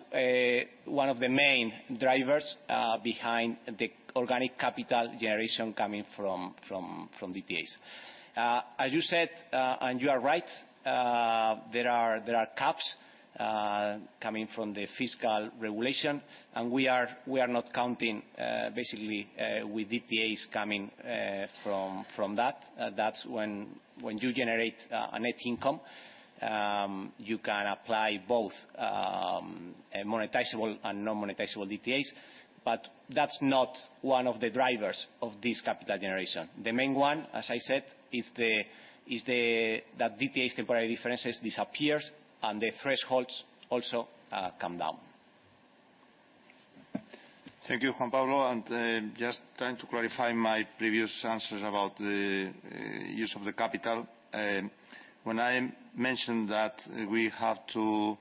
one of the main drivers behind the organic capital generation coming from DTAs. As you said, and you are right, there are caps coming from the fiscal regulation, and we are not counting, basically, with DTAs coming from that. That's when you generate a net income, you can apply both monetizable and non-monetizable DTAs. But that's not one of the drivers of this capital generation. The main one, as I said, is the that DTAs temporary differences disappears and the thresholds also come down. Thank you, Juan Pablo, and just trying to clarify my previous answers about the use of the capital. When I mentioned that we have two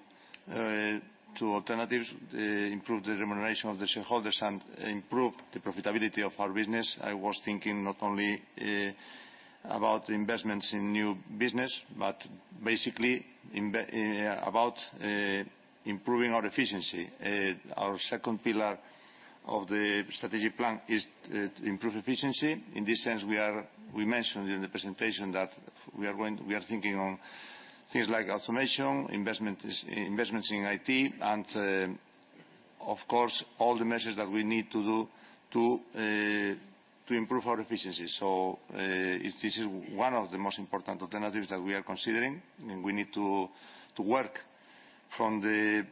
alternatives, improve the remuneration of the shareholders and improve the profitability of our business, I was thinking not only about investments in new business, but basically about improving our efficiency. Our second pillar of the strategic plan is to improve efficiency. In this sense, we mentioned in the presentation that we are thinking about things like automation, investments in IT, and, of course, all the measures that we need to do to improve our efficiency. This is one of the most important alternatives that we are considering, and we need to work from the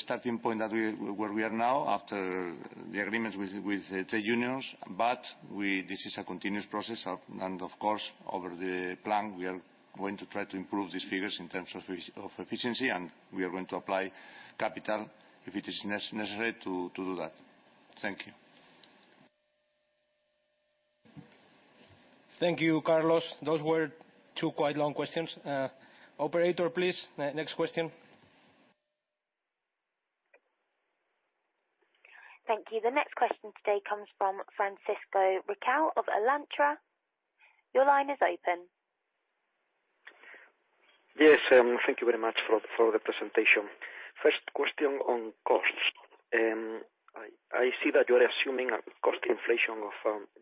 starting point that we where we are now after the agreements with the trade unions. This is a continuous process and of course, over the plan, we are going to try to improve these figures in terms of of efficiency, and we are going to apply capital if it is necessary to do that. Thank you. Thank you, Carlos. Those were two quite long questions. Operator, please, next question. Thank you. The next question today comes from Francisco Riquel of Alantra. Your line is open. Yes, thank you very much for the presentation. First question on costs. I see that you're assuming a cost inflation of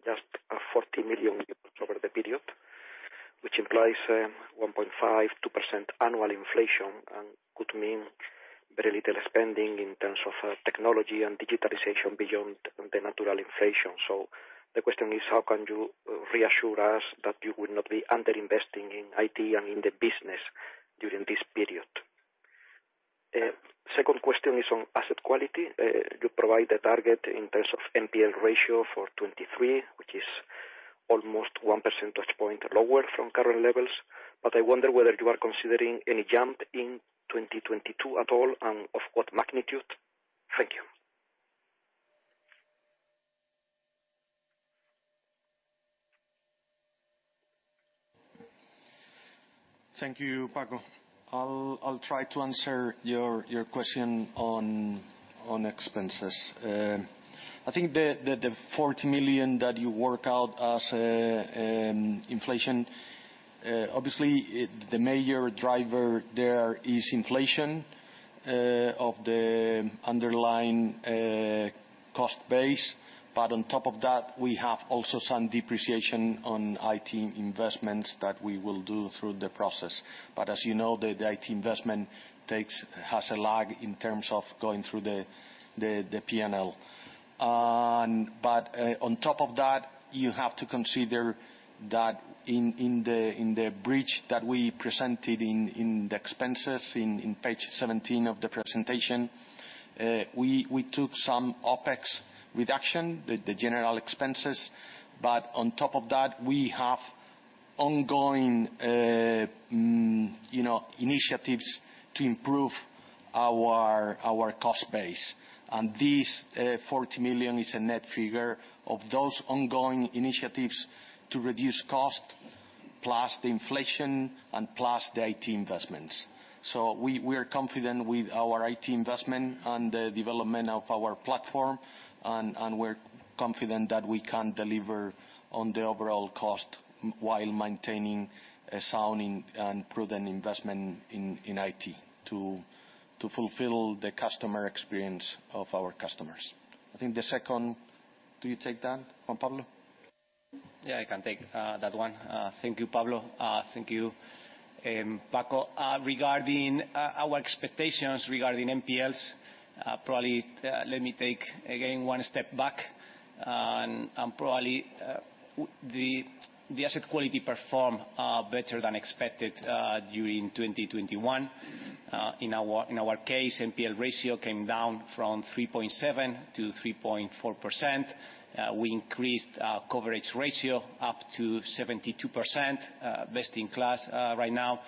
just 40 million euros over the period, which implies 1.5%-2% annual inflation and could mean very little spending in terms of technology and digitization beyond the natural inflation. The question is: How can you reassure us that you would not be underinvesting in IT and in the business during this period? Second question is on asset quality. You provide a target in terms of NPL ratio for 2023, which is almost 1 percentage point lower from current levels. I wonder whether you are considering any jump in 2022 at all, and of what magnitude. Thank you. Thank you, Paco. I'll try to answer your question on expenses. I think the 40 million that you work out as inflation obviously the major driver there is inflation of the underlying cost base. But on top of that, we have also some depreciation on IT investments that we will do through the process. But as you know, the IT investment has a lag in terms of going through the P&L. On top of that, you have to consider that in the bridge that we presented in the expenses in page 17 of the presentation, we took some OPEX reduction, the general expenses. But on top of that, we have ongoing, you know, initiatives to improve our cost base. This 40 million is a net figure of those ongoing initiatives to reduce cost, plus the inflation and plus the IT investments. We are confident with our IT investment and the development of our platform, and we're confident that we can deliver on the overall cost while maintaining a sound and prudent investment in IT to fulfill the customer experience of our customers. I think the second, do you take that, Juan Pablo? Yeah, I can take that one. Thank you, Pablo. Thank you, Paco. Regarding our expectations regarding NPLs, probably let me take again one step back. Probably the asset quality performed better than expected during 2021. In our case, NPL ratio came down from 3.7% to 3.4%. We increased our coverage ratio up to 72%, best in class right now.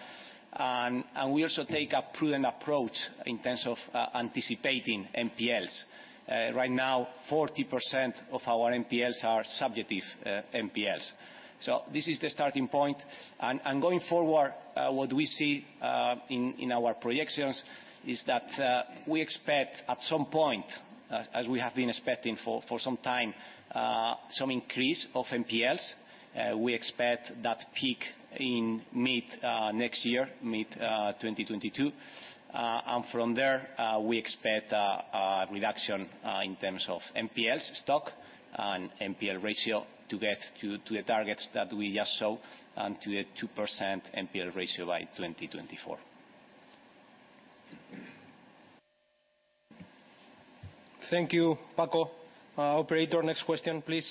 We also take a prudent approach in terms of anticipating NPLs. Right now 40% of our NPLs are subjective NPLs. So this is the starting point. Going forward, what we see in our projections is that we expect at some point, as we have been expecting for some time, some increase of NPLs. We expect that peak in mid next year, mid 2022. From there, we expect a reduction in terms of NPLs stock and NPL ratio to get to the targets that we just show, and to a 2% NPL ratio by 2024. Thank you, Paco. Operator, next question, please.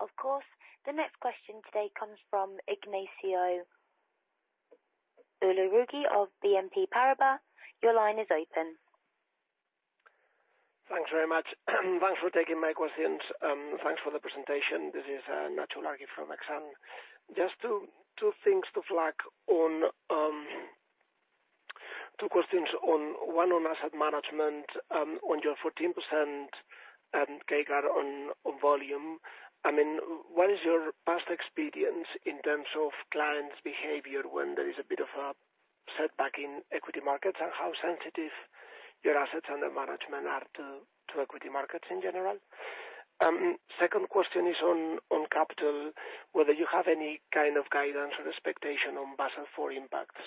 Of course. The next question today comes from Ignacio Ulargui of BNP Paribas. Your line is open. Thanks very much. Thanks for taking my questions, thanks for the presentation. This is Ignacio Ulargui from Exane. Just two things to flag on. Two questions on, one on asset management, on your 14% CAGR on volume. I mean, what is your past experience in terms of clients' behavior when there is a bit of a setback in equity markets? And how sensitive your assets under management are to equity markets in general? Second question is on capital, whether you have any kind of guidance or expectation on Basel IV impacts,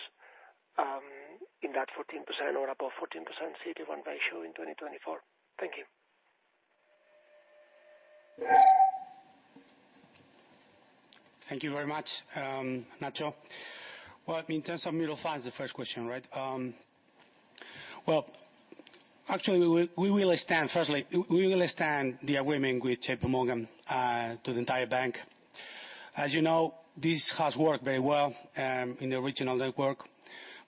in that 14% or above 14% CET1 ratio in 2024. Thank you. Thank you very much, Ignacio. Well, in terms of mutual funds, the first question, right? Well, actually, firstly, we will extend the agreement with JP Morgan to the entire bank. As you know, this has worked very well in the original network,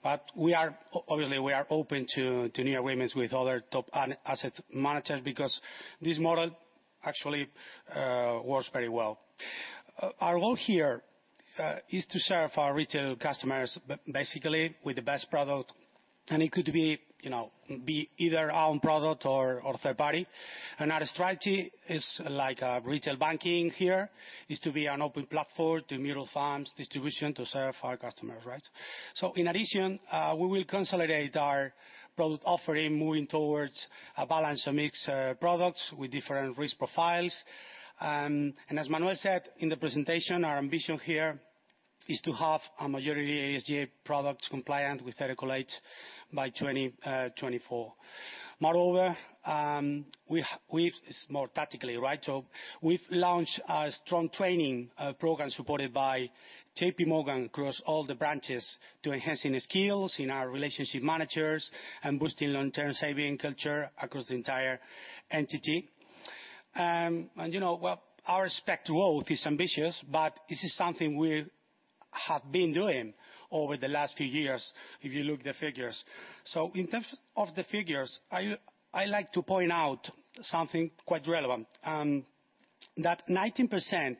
but we are obviously open to new agreements with other top asset managers because this model actually works very well. Our role here is to serve our retail customers basically with the best product, and it could be, you know, either our own product or third party. Our strategy is like retail banking here, is to be an open platform to mutual funds distribution to serve our customers, right? In addition, we will consolidate our product offering, moving towards a balanced mix of products with different risk profiles. As Manuel said in the presentation, our ambition here is to have a majority ESG products compliant with 2024. Moreover, we have. It's more tactically, right? We've launched a strong training program supported by J.P. Morgan across all the branches to enhancing the skills in our relationship managers and boosting long-term saving culture across the entire entity. You know what? Our expect growth is ambitious, but this is something we have been doing over the last few years, if you look at the figures. In terms of the figures, I like to point out something quite relevant, that 19%,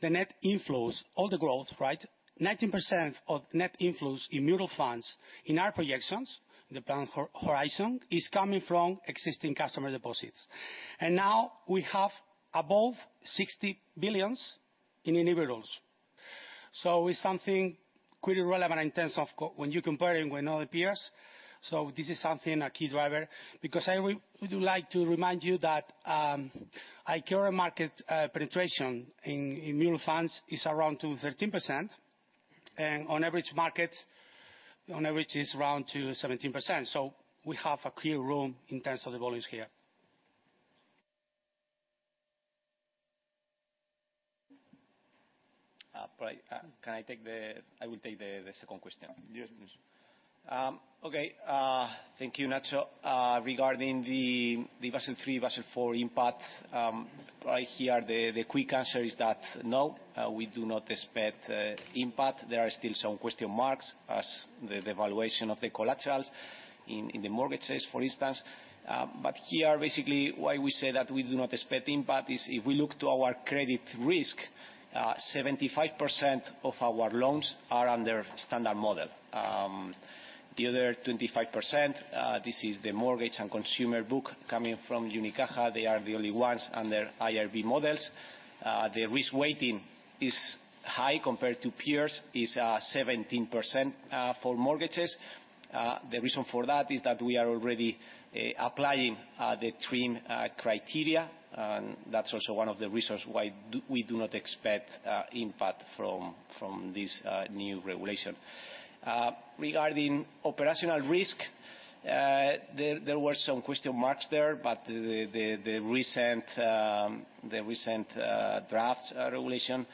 the net inflows, all the growth, right, 19% of net inflows in mutual funds in our projections, the plan horizon, is coming from existing customer deposits. Now we have above 60 billion in deposits. It's something quite relevant in terms of when you compare it with other peers. This is something, a key driver, because I would like to remind you that Unicaja market penetration in mutual funds is around 2 to 13%. On average is around 17%. We have a clear room in terms of the volumes here. Probably, I will take the second question. Yes, yes. Okay. Thank you, Ignacio. Regarding the Basel III, Basel IV impact, right here, the quick answer is that no, we do not expect impact. There are still some question marks as the valuation of the collaterals in the mortgages, for instance. Here, basically, why we say that we do not expect impact is if we look to our credit risk, 75% of our loans are under standard model. The other 25%, this is the mortgage and consumer book coming from Unicaja. They are the only ones under IRB models. Their risk weighting is high compared to peers, 17% for mortgages. The reason for that is that we are already applying the twin criteria. That's also one of the reasons why we do not expect impact from this new regulation. Regarding operational risk, there were some question marks there, but the recent drafts regulation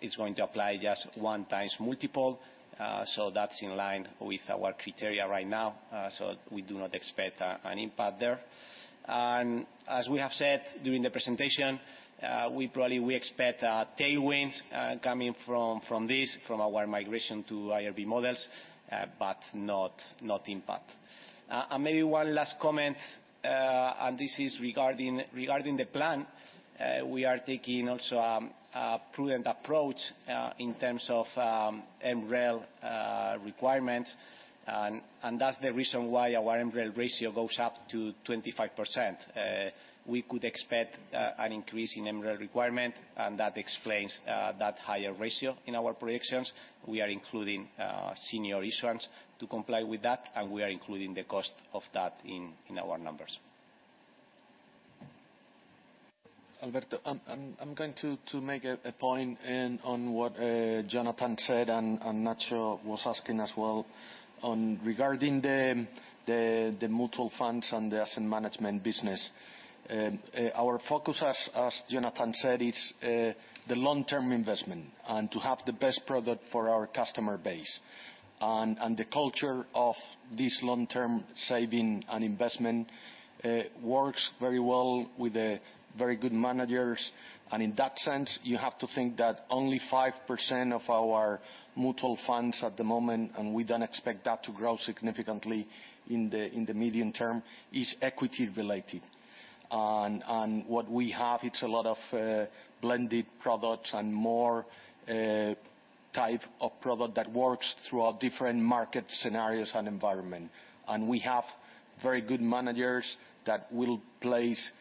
is going to apply just one times multiple. So that's in line with our criteria right now, so we do not expect an impact there. As we have said during the presentation, we expect tailwinds coming from this, from our migration to IRB models, but not impact. Maybe one last comment, this is regarding the plan. We are taking also a prudent approach in terms of MREL requirements. That's the reason why our MREL ratio goes up to 25%. We could expect an increase in MREL requirement, and that explains that higher ratio in our projections. We are including senior issuance to comply with that, and we are including the cost of that in our numbers. Alberto, I'm going to make a point on what Jonathan said, and Nacio was asking as well, regarding the mutual funds and the asset management business. Our focus, as Jonathan said, is the long-term investment and to have the best product for our customer base. The culture of this long-term saving and investment works very well with the very good managers. In that sense, you have to think that only 5% of our mutual funds at the moment, and we don't expect that to grow significantly in the medium term, is equity related. What we have is a lot of blended products and more type of product that works throughout different market scenarios and environment. We have very good managers that will place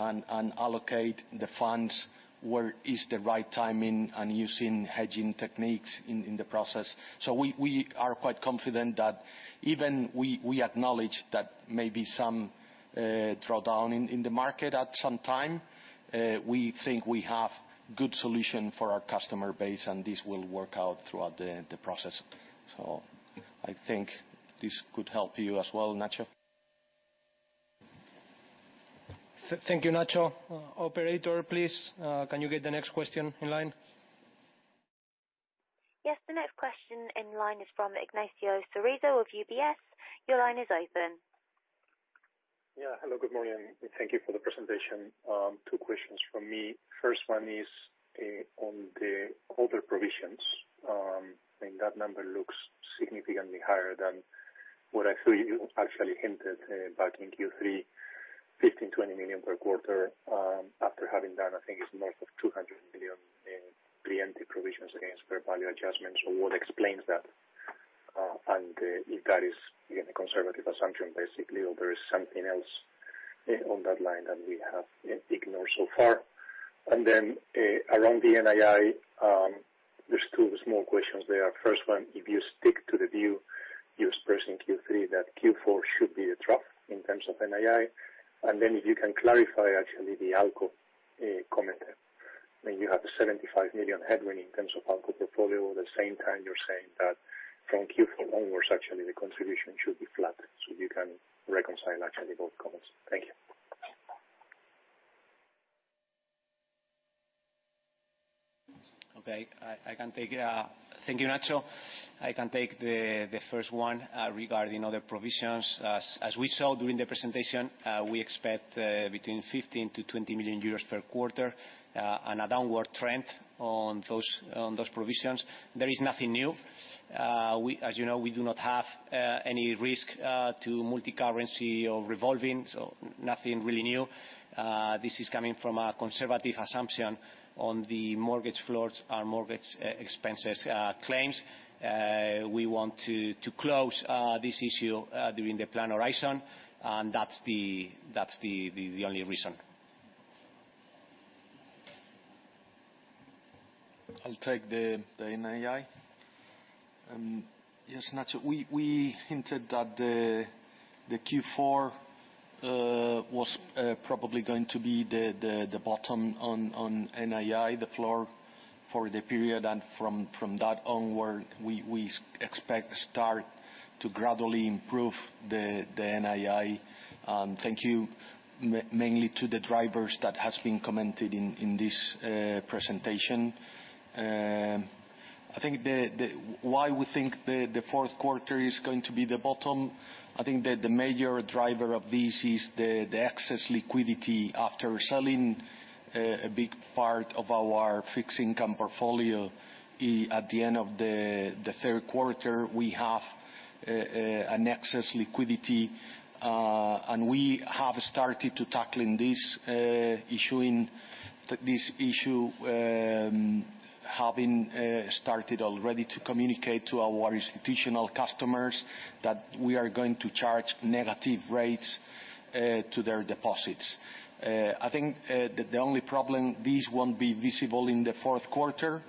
and allocate the funds where is the right timing and using hedging techniques in the process. We are quite confident that even we acknowledge that maybe some drawdown in the market at some time, we think we have good solution for our customer base, and this will work out throughout the process. I think this could help you as well, Nacio. Thank you, Nacio. Operator, please, can you get the next question in line? Yes, the next question in line is from Ignacio Cerezo with UBS. Your line is open. Hello, good morning, and thank you for the presentation. Two questions from me. First one is on the other provisions. I think that number looks significantly higher than what I saw you actually hinted back in Q3, 15 million-20 million per quarter. After having that, I think it's north of 200 million in preemptive provisions against fair value adjustments. So what explains that? And if that is, again, a conservative assumption, basically, or there is something else on that line that we have ignored so far. Around the NII, there are two small questions there. First one, if you stick to the view you expressed in Q3, that Q4 should be a trough in terms of NII. If you can clarify actually the ALCO comment. I mean, you have the 75 million headwind in terms of ALCO portfolio. At the same time, you're saying that from Q4 onwards, actually the contribution should be flat. If you can reconcile actually both comments. Thank you. I can take it. Thank you, Nacio. I can take the first one regarding other provisions. As we showed during the presentation, we expect between 15 million-20 million euros per quarter and a downward trend on those provisions. There is nothing new. As you know, we do not have any risk to multicurrency or revolving, so nothing really new. This is coming from a conservative assumption on the mortgage floors, our mortgage expenses claims. We want to close this issue during the plan horizon. That's the only reason. I'll take the NII. Yes, Nacio, we hinted that the Q4 was probably going to be the bottom on NII, the floor for the period. From that onward, we expect to start to gradually improve the NII. Thanks mainly to the drivers that has been commented in this presentation. I think why we think the fourth quarter is going to be the bottom. I think that the major driver of this is the excess liquidity. After selling a big part of our fixed income portfolio at the end of the third quarter, we have an excess liquidity. We have started to tackling this issue, having started already to communicate to our institutional customers that we are going to charge negative rates to their deposits. I think the only problem is this won't be visible in the fourth quarter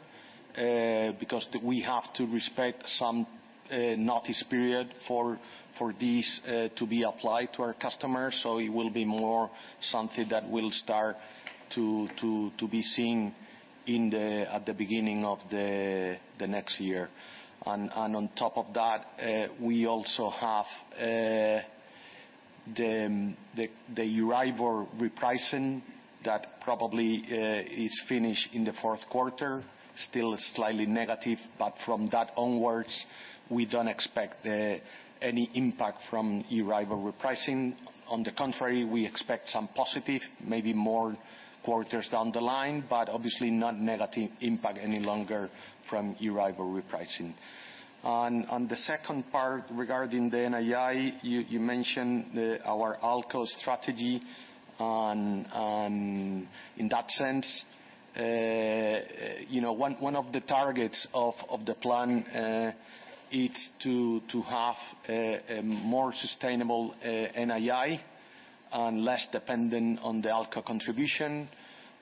because we have to respect some notice period for this to be applied to our customers. It will be more something that will start to be seen at the beginning of the next year. On top of that, we also have the Euribor repricing that probably is finished in the fourth quarter, still is slightly negative. From that onwards, we don't expect any impact from Euribor repricing. On the contrary, we expect some positive, maybe more quarters down the line, but obviously not negative impact any longer from Euribor repricing. On the second part, regarding the NII, you mentioned our ALCO strategy. In that sense, you know, one of the targets of the plan is to have a more sustainable NII and less dependent on the ALCO contribution.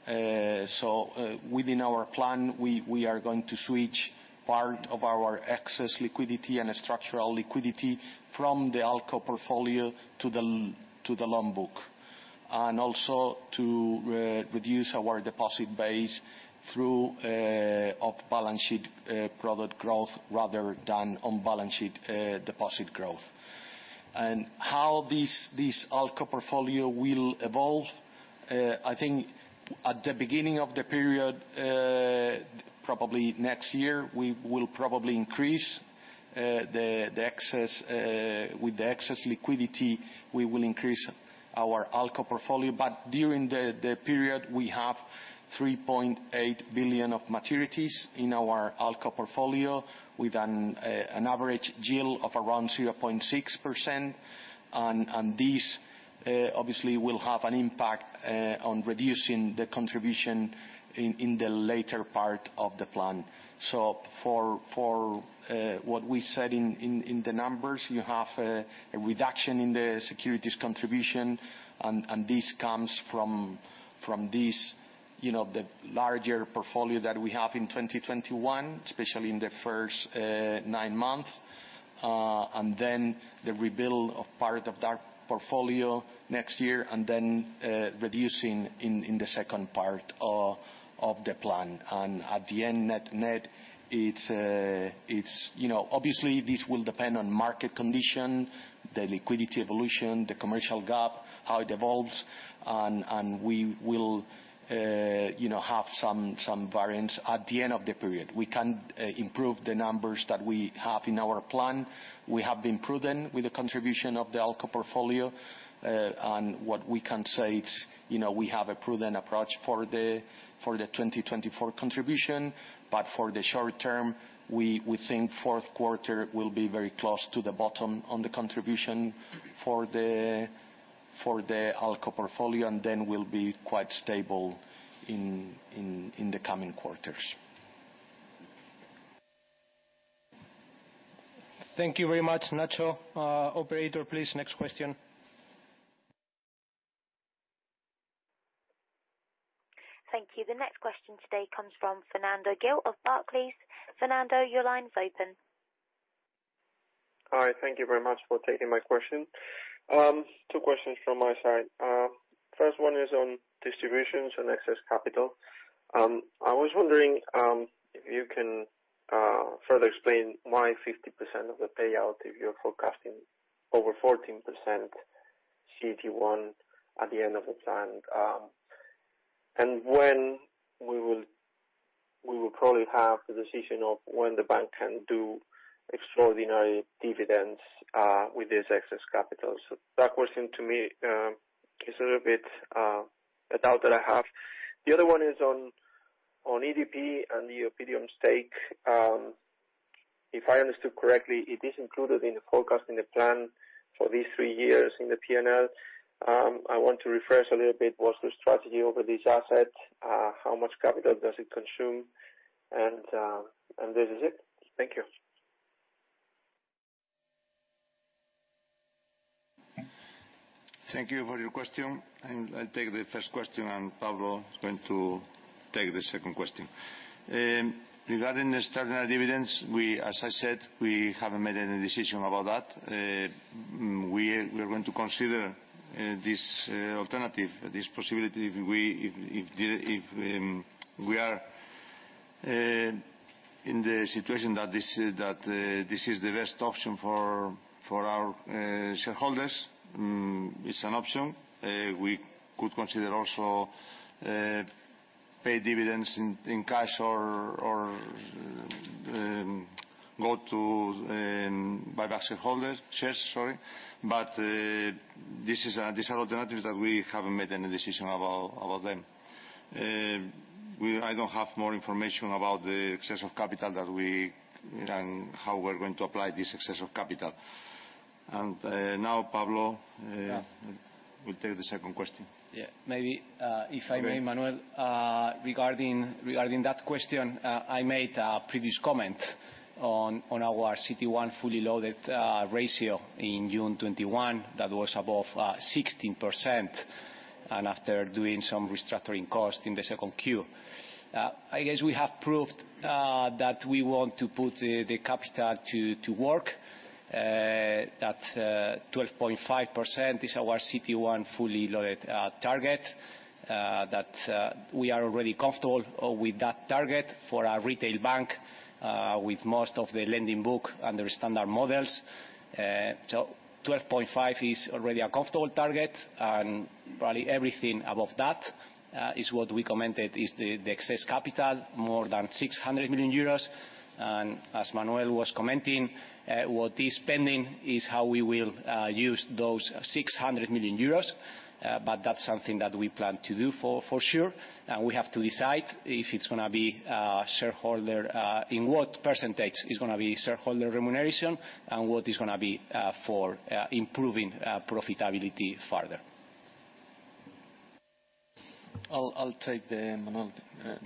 Within our plan, we are going to switch part of our excess liquidity and structural liquidity from the ALCO portfolio to the loan book, and also to reduce our deposit base through off balance sheet product growth, rather than on balance sheet deposit growth. How this ALCO portfolio will evolve, I think at the beginning of the period, probably next year, we will probably increase the excess with the excess liquidity, we will increase our ALCO portfolio. During the period, we have 3.8 billion of maturities in our ALCO portfolio with an average yield of around 0.6%. This obviously will have an impact on reducing the contribution in the later part of the plan. For what we said in the numbers, you have a reduction in the securities contribution, and this comes from this, you know, the larger portfolio that we have in 2021, especially in the first nine months. The rebuild of part of that portfolio next year, and then reducing in the second part of the plan. At the end, net-net, it's, you know, obviously this will depend on market condition, the liquidity evolution, the commercial gap, how it evolves, and we will, you know, have some variance at the end of the period. We can improve the numbers that we have in our plan. We have been prudent with the contribution of the ALCO portfolio. What we can say, it's, you know, we have a prudent approach for the 2024 contribution. For the short term, we think fourth quarter will be very close to the bottom on the contribution for the ALCO portfolio, and then we'll be quite stable in the coming quarters. Thank you very much, Nacio. Operator, please, next question. Thank you. The next question today comes from Fernando Gil of Barclays. Fernando, your line's open. All right. Thank you very much for taking my question. Two questions from my side. First one is on distributions and excess capital. I was wondering if you can further explain why 50% of the payout if you're forecasting over 14% CET1 at the end of the plan, and when we will probably have the decision of when the bank can do extraordinary dividends with this excess capital. That question to me is a little bit of a doubt that I have. The other one is on EDP and the Oppidum stake. If I understood correctly, it is included in the forecast in the plan for these three years in the P&L. I want to refresh a little bit what's the strategy over these assets, how much capital does it consume? This is it. Thank you. Thank you for your question, and I'll take the first question, and Pablo is going to take the second question. Regarding the standard dividends, as I said, we haven't made any decision about that. We're going to consider this alternative, this possibility if we are in the situation that this is the best option for our shareholders. It's an option. We could consider also pay dividends in cash or go to buy back shares, sorry. These are alternatives that we haven't made any decision about them. I don't have more information about the excess of capital that we have and how we're going to apply this excess of capital. Now Pablo. Yeah. will take the second question. Yeah. Maybe if I may, Manuel, regarding that question, I made a previous comment on our CET1 fully loaded ratio in June 2021, that was above 16%, and after doing some restructuring costs in the second Q. I guess we have proved that we want to put the capital to work. That 12.5% is our CET1 fully loaded target. That we are already comfortable with that target for our retail bank with most of the lending book under standard models. 12.5% is already a comfortable target, and probably everything above that is what we commented is the excess capital, more than 600 million euros. As Manuel was commenting, what is pending is how we will use those 600 million euros, but that's something that we plan to do for sure. We have to decide if it's gonna be shareholder in what percentage is gonna be shareholder remuneration and what is gonna be for improving profitability farther. I'll take the, Manuel,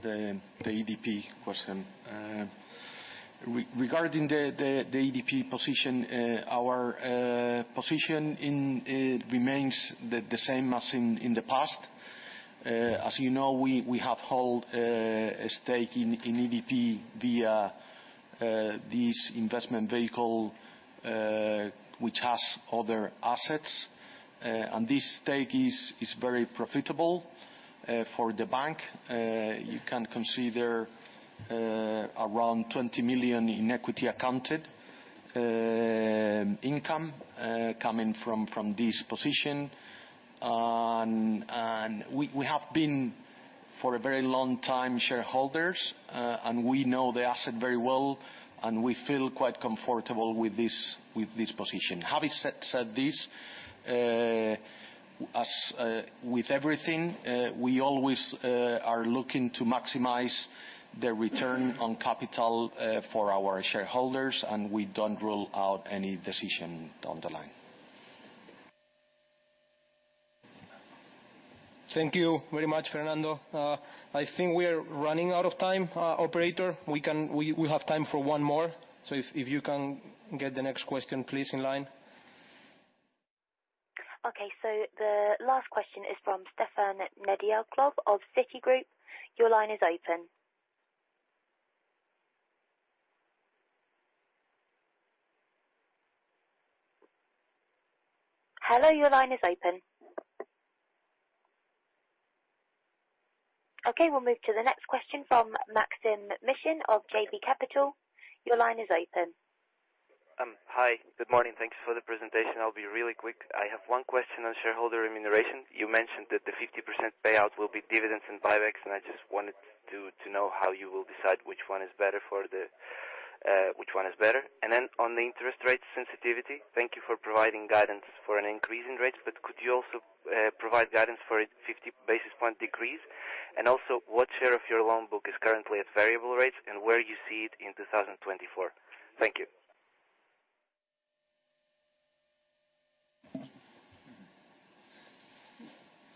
the EDP question. Regarding the EDP position, our position remains the same as in the past. As you know, we have held a stake in EDP via this investment vehicle, which has other assets. This stake is very profitable for the bank. You can consider around EUR 20 million in equity-accounted income coming from this position. We have been shareholders for a very long time, and we know the asset very well, and we feel quite comfortable with this position. Having said this, as with everything, we always are looking to maximize the return on capital for our shareholders, and we don't rule out any decision down the line. Thank you very much, Fernando. I think we're running out of time. Operator, we have time for one more, so if you can get the next question please in line. Okay, the last question is from Stefan Nedialkov of Citigroup. Okay, we'll move to the next question from Maksym Mishyn of JB Capital. Your line is open. Hi. Good morning. Thanks for the presentation. I'll be really quick. I have one question on shareholder remuneration. You mentioned that the 50% payout will be dividends and buybacks, and I just wanted to know how you will decide which one is better for the. On the interest rate sensitivity, thank you for providing guidance for an increase in rates, but could you also provide guidance for a 50 basis point decrease. Also, what share of your loan book is currently at variable rates, and where you see it in 2024? Thank you.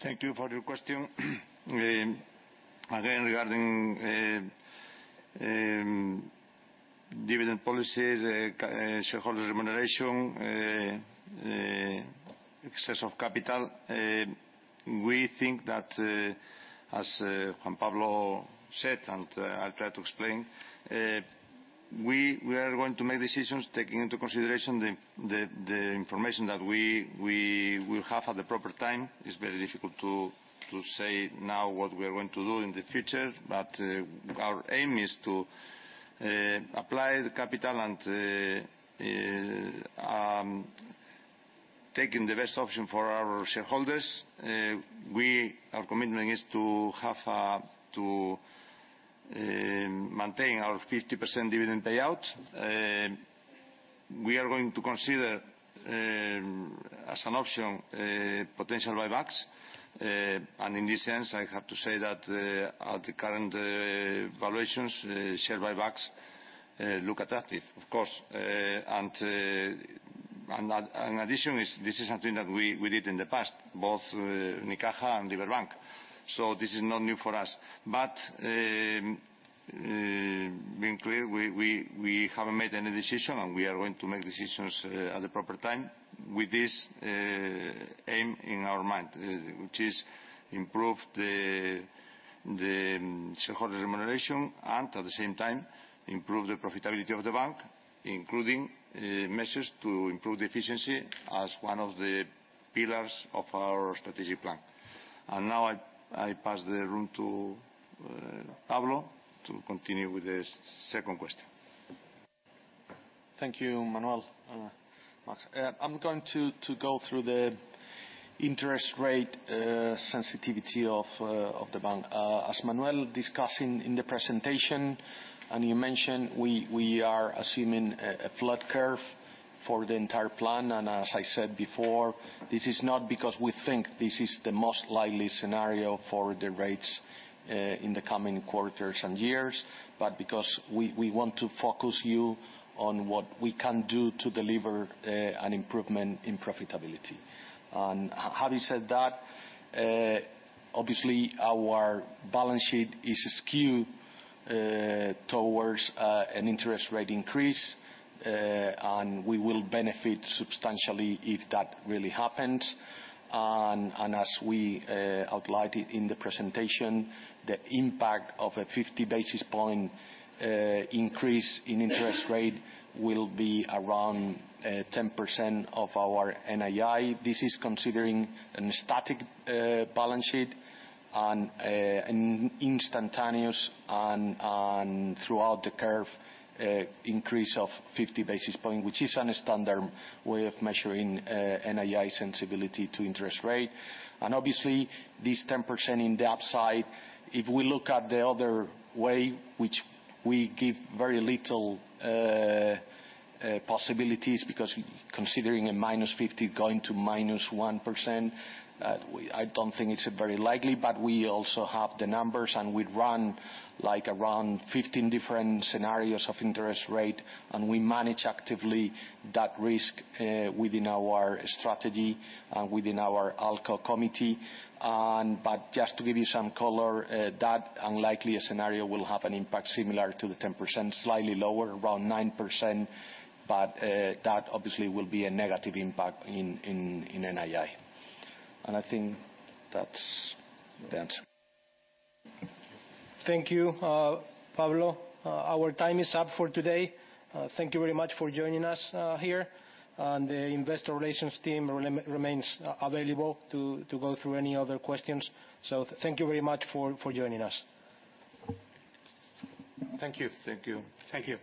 Thank you for your question. Again, regarding dividend policies, shareholder remuneration, excess of capital, we think that, as Juan Pablo said, and I'll try to explain, we are going to make decisions taking into consideration the information that we will have at the proper time. It's very difficult to say now what we are going to do in the future, but our aim is to apply the capital and taking the best option for our shareholders. Our commitment is to maintain our 50% dividend payout. We are going to consider as an option potential buybacks. And in this sense, I have to say that at the current valuations, share buybacks look attractive, of course. In addition, this is something that we did in the past, both with Unicaja and Liberbank, so this is not new for us. To be clear, we haven't made any decision, and we are going to make decisions at the proper time with this aim in our mind, which is to improve the shareholder remuneration and at the same time improve the profitability of the bank, including measures to improve the efficiency as one of the pillars of our strategic plan. Now I pass the floor to Pablo to continue with the second question. Thank you, Manuel. Max, I'm going to go through the interest rate sensitivity of the bank. As Manuel discussed in the presentation, and he mentioned, we are assuming a flat curve for the entire plan. As I said before, this is not because we think this is the most likely scenario for the rates in the coming quarters and years, but because we want to focus you on what we can do to deliver an improvement in profitability. Having said that, obviously, our balance sheet is skewed towards an interest rate increase, and we will benefit substantially if that really happens. As we outlined it in the presentation, the impact of a 50 basis point increase in interest rate will be around 10% of our NII. This is considering a static balance sheet and an instantaneous throughout the curve increase of 50 basis points, which is a standard way of measuring NII sensitivity to interest rate. Obviously, this 10% in the upside, if we look at the other way, which we give very little possibilities because considering a -50 going to -1%, I don't think it's very likely. We also have the numbers, and we'd run, like, around 15 different scenarios of interest rate, and we manage actively that risk within our strategy and within our ALCO committee. Just to give you some color, that unlikely scenario will have an impact similar to the 10%, slightly lower, around 9%, but that obviously will be a negative impact in NII. I think that's the answer. Thank you, Pablo. Our time is up for today. Thank you very much for joining us here. The investor relations team remains available to go through any other questions. Thank you very much for joining us. Thank you. Thank you. Thank you.